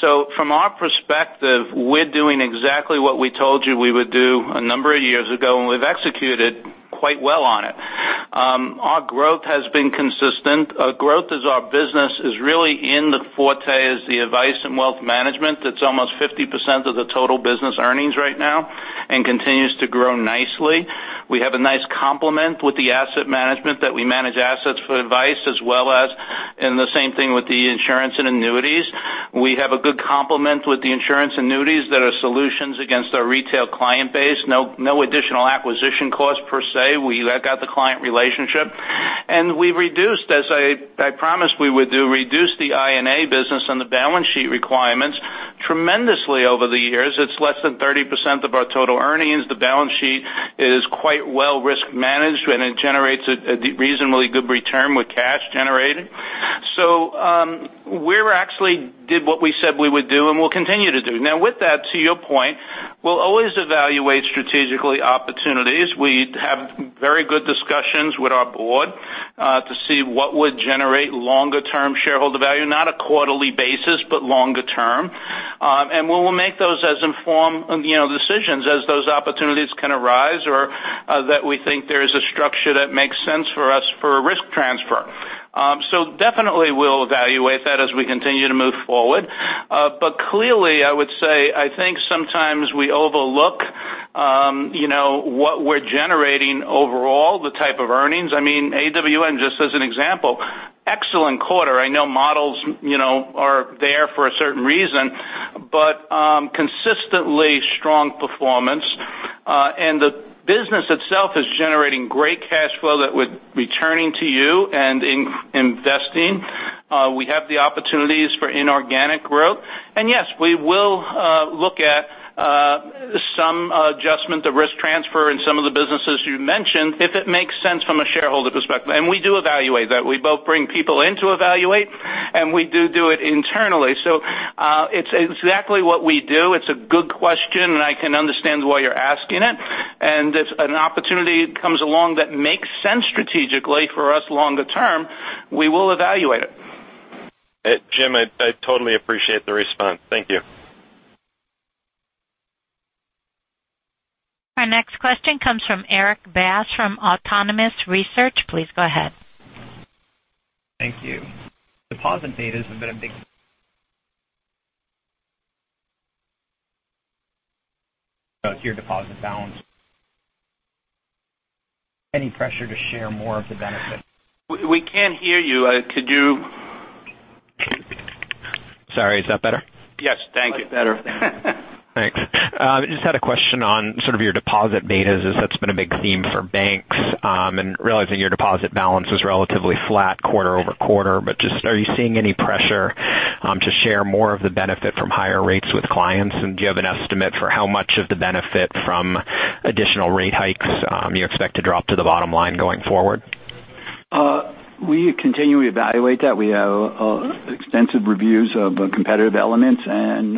S3: From our perspective, we're doing exactly what we told you we would do a number of years ago, and we've executed quite well on it. Our growth has been consistent. Our growth as our business is really in the forte is the Advice & Wealth Management.
S4: That's almost 50% of the total business earnings right now and continues to grow nicely. We have a nice complement with the asset management that we manage assets for advice, as well as in the same thing with the insurance and annuities. We have a good complement with the insurance and annuities that are solutions against our retail client base. No additional acquisition costs per se. We got the client relationship. We've reduced, as I promised we would do, reduced the INA business on the balance sheet requirements tremendously over the years. It's less than 30% of our total earnings. The balance sheet is quite well risk managed, and it generates a reasonably good return with cash generated. We actually did what we said we would do and will continue to do. Now with that, to your point, we'll always evaluate strategically opportunities. We have very good discussions with our board to see what would generate longer-term shareholder value, not a quarterly basis, but longer term. We will make those as informed decisions as those opportunities can arise or that we think there is a structure that makes sense for us for a risk transfer. Definitely we'll evaluate that as we continue to move forward. Clearly, I would say, I think sometimes we overlook what we're generating overall, the type of earnings, AWM, just as an example, excellent quarter. I know models are there for a certain reason, but consistently strong performance. The business itself is generating great cash flow that would returning to you and investing. We have the opportunities for inorganic growth. Yes, we will look at some adjustment to risk transfer in some of the businesses you mentioned, if it makes sense from a shareholder perspective. We do evaluate that. We both bring people in to evaluate, and we do it internally. It's exactly what we do. It's a good question, and I can understand why you're asking it. If an opportunity comes along that makes sense strategically for us longer term, we will evaluate it.
S9: Jim, I totally appreciate the response. Thank you.
S1: Our next question comes from Erik Bass of Autonomous Research. Please go ahead.
S10: Thank you. Deposit betas have been a big as your deposit balance. Any pressure to share more of the benefit?
S4: We can't hear you. Could you?
S10: Sorry, is that better?
S4: Yes. Thank you. Much better.
S10: Thanks. Just had a question on sort of your deposit betas as that's been a big theme for banks, and realizing your deposit balance was relatively flat quarter-over-quarter. Just are you seeing any pressure to share more of the benefit from higher rates with clients? Do you have an estimate for how much of the benefit from additional rate hikes you expect to drop to the bottom line going forward?
S4: We continually evaluate that. We have extensive reviews of competitive elements, and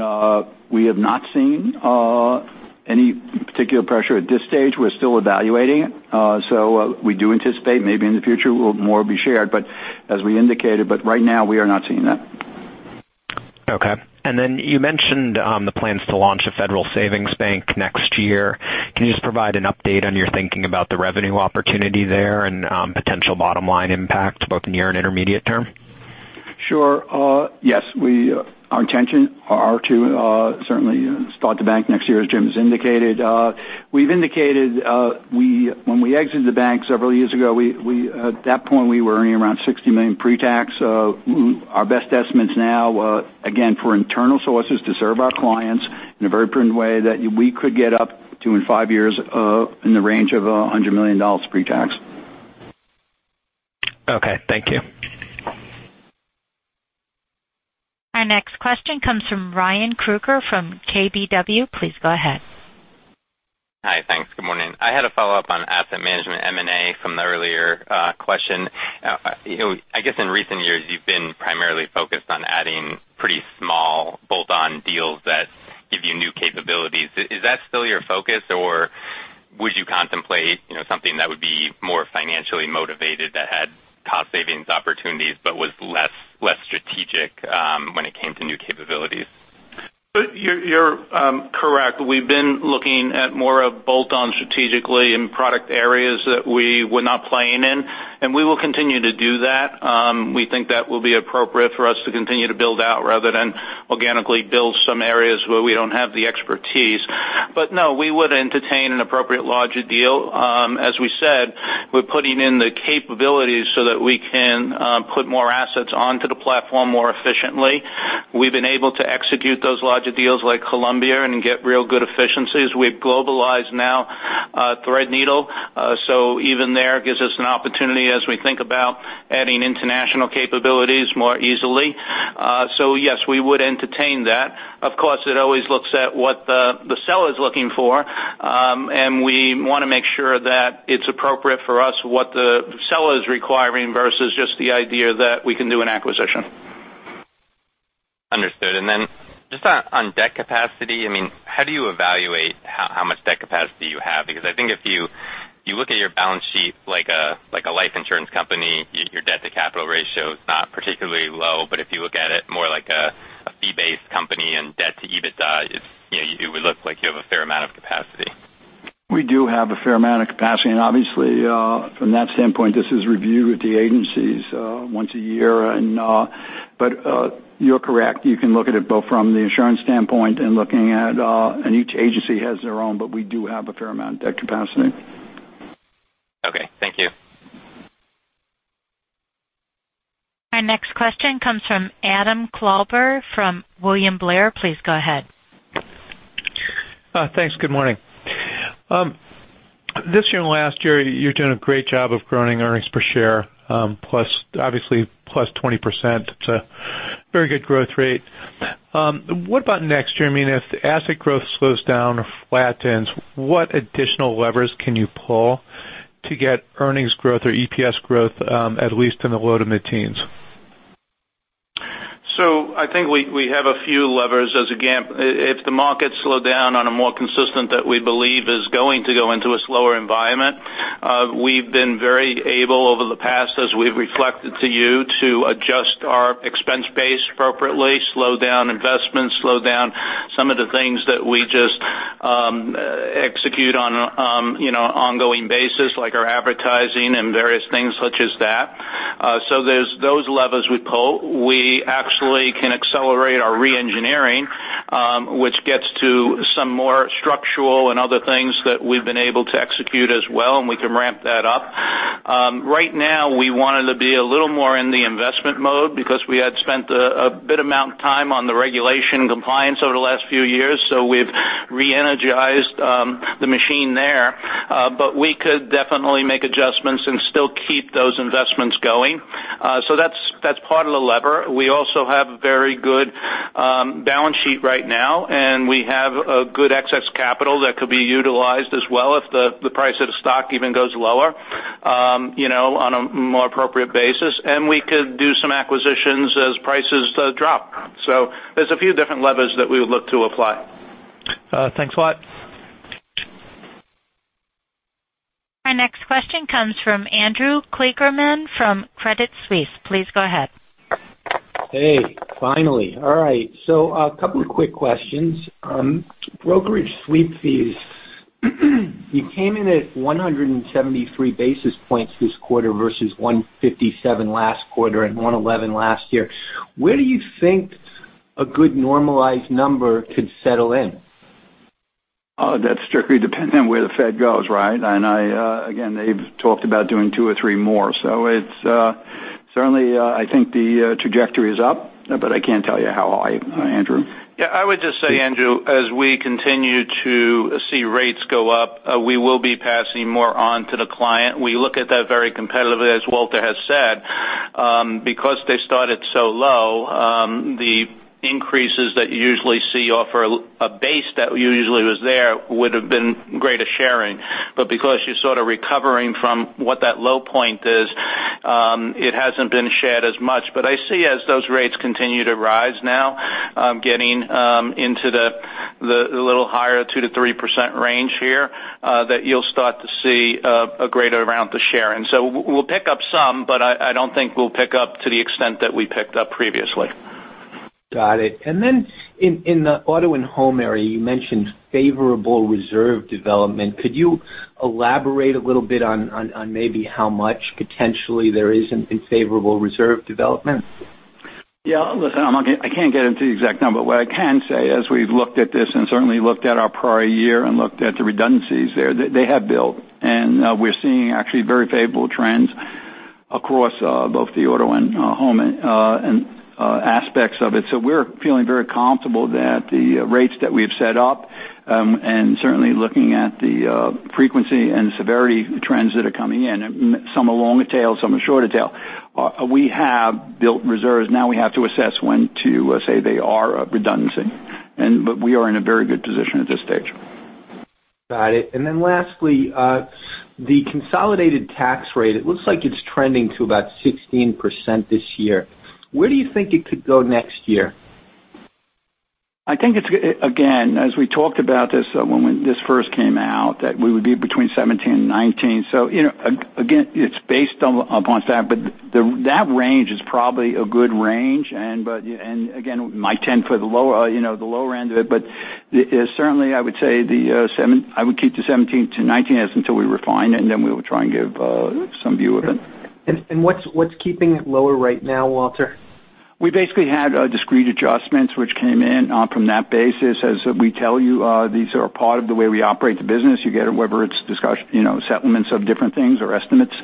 S4: we have not seen any particular pressure at this stage. We're still evaluating it. We do anticipate maybe in the future, more will be shared, as we indicated. Right now, we are not seeing that.
S10: Okay. You mentioned the plans to launch a federal savings bank next year. Can you just provide an update on your thinking about the revenue opportunity there and potential bottom-line impact, both near and intermediate term?
S4: Sure. Yes. Our intention are to certainly start the bank next year, as Jim has indicated. We've indicated when we exited the bank several years ago, at that point, we were earning around $60 million pre-tax. Our best estimates now, again, for internal sources to serve our clients in a very prudent way, that we could get up to in five years in the range of $100 million pre-tax.
S10: Okay. Thank you.
S1: Our next question comes from Ryan Krueger from KBW. Please go ahead.
S11: Hi. Thanks. Good morning. I had a follow-up on asset management M&A from the earlier question. I guess in recent years, you've been primarily focused on adding pretty small bolt-on deals that give you new capabilities. Is that still your focus, or would you contemplate something that would be more financially motivated that had cost savings opportunities but was less strategic when it came to new capabilities?
S4: You're correct. We've been looking at more of bolt-on strategically in product areas that we were not playing in, and we will continue to do that. We think that will be appropriate for us to continue to build out rather than organically build some areas where we don't have the expertise. No, we would entertain an appropriate larger deal. As we said, we're putting in the capabilities so that we can put more assets onto the platform more efficiently. We've been able to execute those larger deals like Columbia and get real good efficiencies. We've globalized now Threadneedle, so even there, gives us an opportunity as we think about adding international capabilities more easily. Yes, we would entertain that. Of course, it always looks at what the seller's looking for. We want to make sure that it's appropriate for us what the seller is requiring versus just the idea that we can do an acquisition.
S11: Understood. Just on debt capacity, how do you evaluate how much debt capacity you have? Because I think if you look at your balance sheet like a life insurance company, your debt-to-capital ratio is not particularly low. If you look at it more like a fee-based company and debt to EBITDA, it would look like you have a fair amount of capacity.
S4: We do have a fair amount of capacity. Obviously from that standpoint, this is reviewed with the agencies once a year. You're correct. You can look at it both from the insurance standpoint and each agency has their own, we do have a fair amount of debt capacity.
S11: Okay. Thank you.
S1: Our next question comes from Adam Klauber from William Blair. Please go ahead.
S12: Thanks. Good morning. This year and last year, you're doing a great job of growing earnings per share, obviously +20%. It's a very good growth rate. What about next year? If the asset growth slows down or flattens, what additional levers can you pull to get earnings growth or EPS growth at least in the low to mid-teens?
S4: I think we have a few levers as a gamut. If the markets slow down on a more consistent that we believe is going to go into a slower environment, we've been very able over the past, as we've reflected to you, to adjust our expense base appropriately, slow down investments, slow down some of the things that we just execute on ongoing basis, like our advertising and various things such as that. There's those levers we pull. We actually can accelerate our re-engineering, which gets to some more structural and other things that we've been able to execute as well, and we can ramp that up. Right now, we wanted to be a little more in the investment mode because we had spent a bit amount of time on the regulation compliance over the last few years, we've re-energized the machine there. We could definitely make adjustments and still keep those investments going. That's part of the lever. We also have very good balance sheet right now, and we have a good excess capital that could be utilized as well if the price of the stock even goes lower on a more appropriate basis. We could do some acquisitions as prices drop. There's a few different levers that we would look to apply.
S3: Thanks a lot.
S1: Our next question comes from Andrew Kligerman from Credit Suisse. Please go ahead.
S13: Hey. Finally. All right. A couple of quick questions. Brokerage sweep fees. You came in at 173 basis points this quarter versus 157 last quarter and 111 last year. Where do you think a good normalized number could settle in?
S4: That's strictly dependent on where the Fed goes, right? Again, they've talked about doing two or three more. Certainly, I think the trajectory is up, but I can't tell you how high, Andrew.
S3: Yeah, I would just say, Andrew, as we continue to see rates go up, we will be passing more on to the client. We look at that very competitively, as Walter has said. They started so low, the increases that you usually see offer a base that usually was there would've been greater sharing. Because you're sort of recovering from what that low point is, it hasn't been shared as much. I see as those rates continue to rise now, getting into the little higher two to 3% range here, that you'll start to see a greater round to share in. We'll pick up some, I don't think we'll pick up to the extent that we picked up previously.
S13: Got it. In the auto and home area, you mentioned favorable reserve development. Could you elaborate a little bit on maybe how much potentially there is in favorable reserve development?
S4: Yeah. Listen, I can't get into the exact number. What I can say, as we've looked at this and certainly looked at our prior year and looked at the redundancies there, they have built, and we're seeing actually very favorable trends across both the auto and home aspects of it. We're feeling very comfortable that the rates that we've set up, and certainly looking at the frequency and severity trends that are coming in, some are longer tail, some are shorter tail, we have built reserves. Now we have to assess when to say they are a redundancy. We are in a very good position at this stage.
S13: Got it. Lastly, the consolidated tax rate, it looks like it's trending to about 16% this year. Where do you think it could go next year?
S4: Again, as we talked about this when this first came out, that we would be between 17% and 19%. Again, it's based upon that range is probably a good range. Might tend for the lower end of it, certainly, I would keep the 17%-19% as until we refine it, we will try and give some view of it.
S13: What's keeping it lower right now, Walter?
S4: We basically had discrete adjustments which came in from that basis. As we tell you, these are part of the way we operate the business. You get it whether it's settlements of different things or estimates.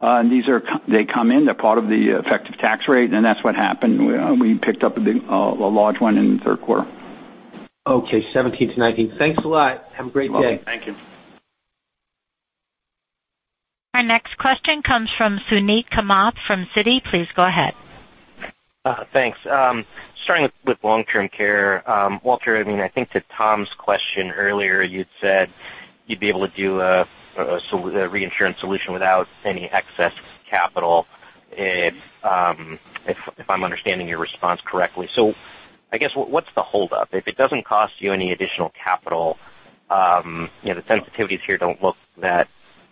S4: They come in, they're part of the effective tax rate, and that's what happened. We picked up a large one in the third quarter.
S13: Okay. 17 to 19. Thanks a lot. Have a great day.
S4: You're welcome. Thank you.
S1: Our next question comes from Suneet Kamath from Citi. Please go ahead.
S14: Thanks. Starting with long-term care. Walter, I think to Tom's question earlier, you'd said you'd be able to do a reinsurance solution without any excess capital, if I'm understanding your response correctly. I guess, what's the hold up? If it doesn't cost you any additional capital, the sensitivities here don't look that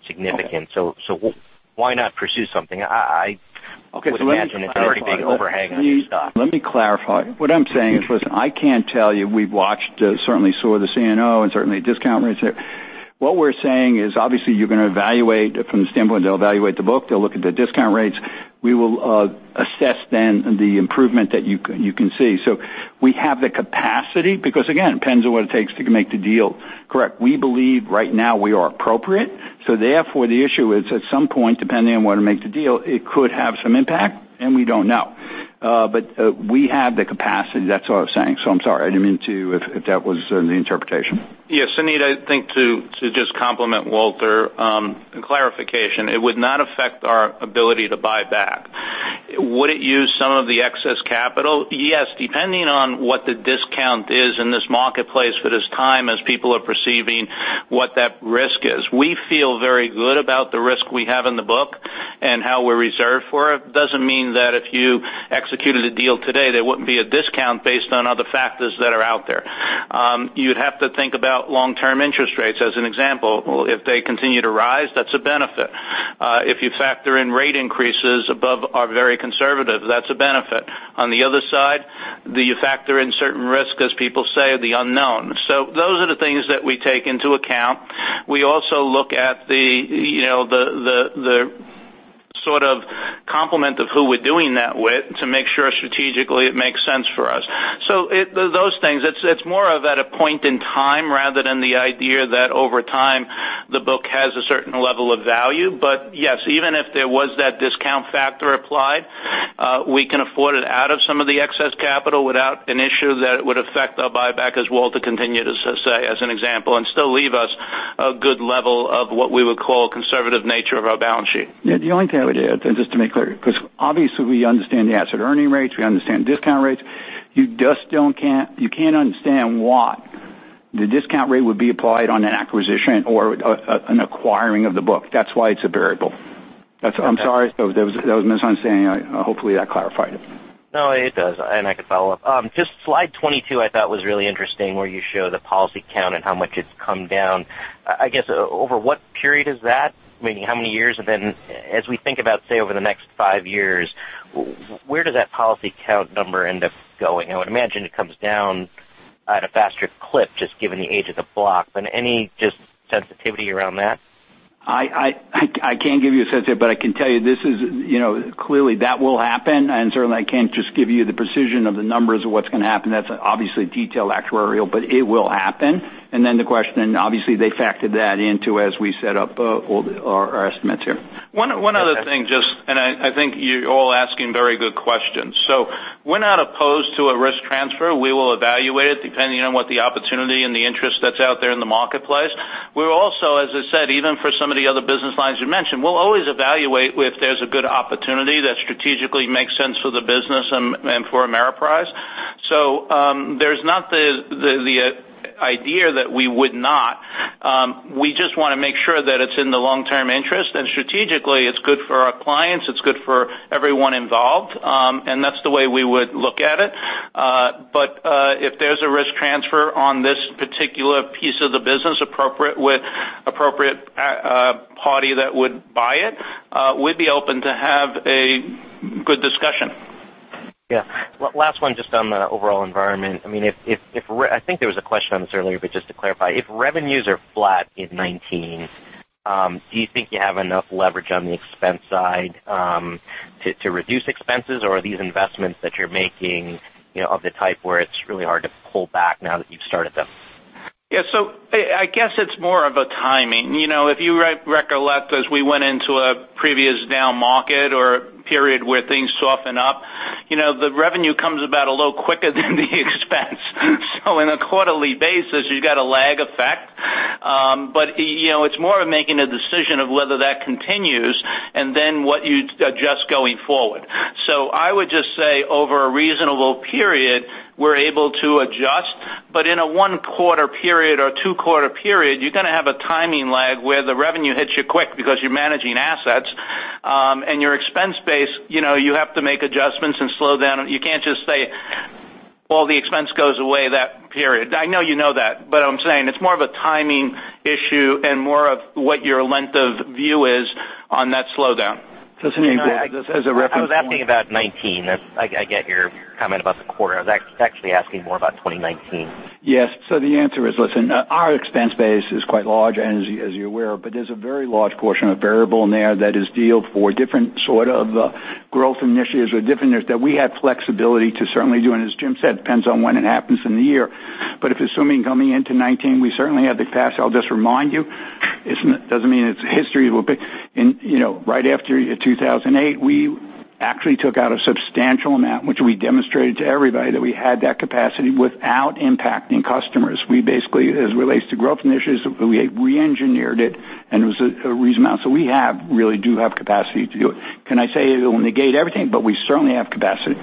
S14: significant. Why not pursue something? I would imagine it's already being overhanging on your stock.
S4: Let me clarify. What I'm saying is, listen, I can't tell you, we've watched, certainly saw the CNO, and certainly discount rates there. What we're saying is, obviously, you're going to evaluate from the standpoint, they'll evaluate the book, they'll look at the discount rates. We will assess then the improvement that you can see. We have the capacity because again, it depends on what it takes to make the deal correct. We believe right now we are appropriate. Therefore, the issue is at some point, depending on whether to make the deal, it could have some impact, and we don't know. We have the capacity. That's all I was saying. I'm sorry. I didn't mean to, if that was the interpretation.
S3: Yeah. Suneet, I think to just complement Walter, and clarification, it would not affect our ability to buy back. Would it use some of the excess capital? Yes, depending on what the discount is in this marketplace for this time as people are perceiving what that risk is. We feel very good about the risk we have in the book and how we're reserved for it. Doesn't mean that if you executed a deal today, there wouldn't be a discount based on other factors that are out there. You'd have to think about long-term interest rates, as an example. If they continue to rise, that's a benefit. If you factor in rate increases above our very conservative, that's a benefit. On the other side, do you factor in certain risk, as people say, the unknown? Those are the things that we take into account. We also look at the complement of who we're doing that with to make sure strategically it makes sense for us. Those things, it's more of at a point in time rather than the idea that over time, the book has a certain level of value. Yes, even if there was that discount factor applied, we can afford it out of some of the excess capital without an issue that it would affect our buyback as well to continue, as an example, and still leave us a good level of what we would call conservative nature of our balance sheet.
S4: Yeah. The only thing I would add, and just to make clear, because obviously we understand the asset earning rates, we understand discount rates. You can't understand why the discount rate would be applied on an acquisition or an acquiring of the book. That's why it's a variable. I'm sorry if there was a misunderstanding. Hopefully, that clarified it.
S14: No, it does, and I could follow up. Just slide 22, I thought was really interesting, where you show the policy count and how much it's come down. I guess, over what period is that? How many years as we think about, say, over the next five years, where does that policy count number end up going? I would imagine it comes down at a faster clip, just given the age of the block, but any just sensitivity around that?
S4: I can't give you a sensitive, I can tell you clearly that will happen, and certainly I can't just give you the precision of the numbers of what's going to happen. That's obviously detailed actuarial, it will happen. The question, obviously, they factored that into as we set up all our estimates here.
S3: I think you're all asking very good questions. We're not opposed to a risk transfer. We will evaluate it depending on what the opportunity and the interest that's out there in the marketplace. We're also, as I said, even for some of the other business lines you mentioned, we'll always evaluate if there's a good opportunity that strategically makes sense for the business and for Ameriprise. There's not the idea that we would not. We just want to make sure that it's in the long-term interest, and strategically, it's good for our clients, it's good for everyone involved. That's the way we would look at it. If there's a risk transfer on this particular piece of the business appropriate with appropriate party that would buy it, we'd be open to have a good discussion.
S14: Last one, just on the overall environment. I think there was a question on this earlier, but just to clarify, if revenues are flat in 2019, do you think you have enough leverage on the expense side to reduce expenses? Are these investments that you're making of the type where it's really hard to pull back now that you've started them?
S3: I guess it's more of a timing. If you recollect, as we went into a previous down market or period where things soften up, the revenue comes about a little quicker than the expense. On a quarterly basis, you got a lag effect. It's more of making a decision of whether that continues and then what you adjust going forward. I would just say, over a reasonable period, we're able to adjust, but in a one-quarter period or two-quarter period, you're going to have a timing lag where the revenue hits you quick because you're managing assets. Your expense base, you have to make adjustments and slow down. You can't just say all the expense goes away that period. I know you know that, but I'm saying it's more of a timing issue and more of what your length of view is on that slowdown.
S4: As a reference point.
S14: I was asking about 2019. I get your comment about the quarter. I was actually asking more about 2019.
S4: The answer is, listen, our expense base is quite large, and as you're aware, but there's a very large portion of variable in there that is dealed for different sort of growth initiatives or different initiatives that we have flexibility to certainly do. As Jim said, depends on when it happens in the year. If assuming coming into 2019, we certainly have the capacity. I'll just remind you, doesn't mean its history will be. Right after 2008, we actually took out a substantial amount, which we demonstrated to everybody that we had that capacity without impacting customers. We basically, as it relates to growth initiatives, we reengineered it, and it was a reasonable amount. We really do have capacity to do it. Can I say it will negate everything? We certainly have capacity.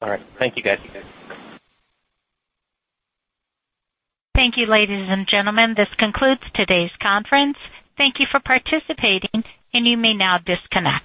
S14: All right. Thank you, guys.
S1: Thank you, ladies and gentlemen. This concludes today's conference. Thank you for participating, and you may now disconnect.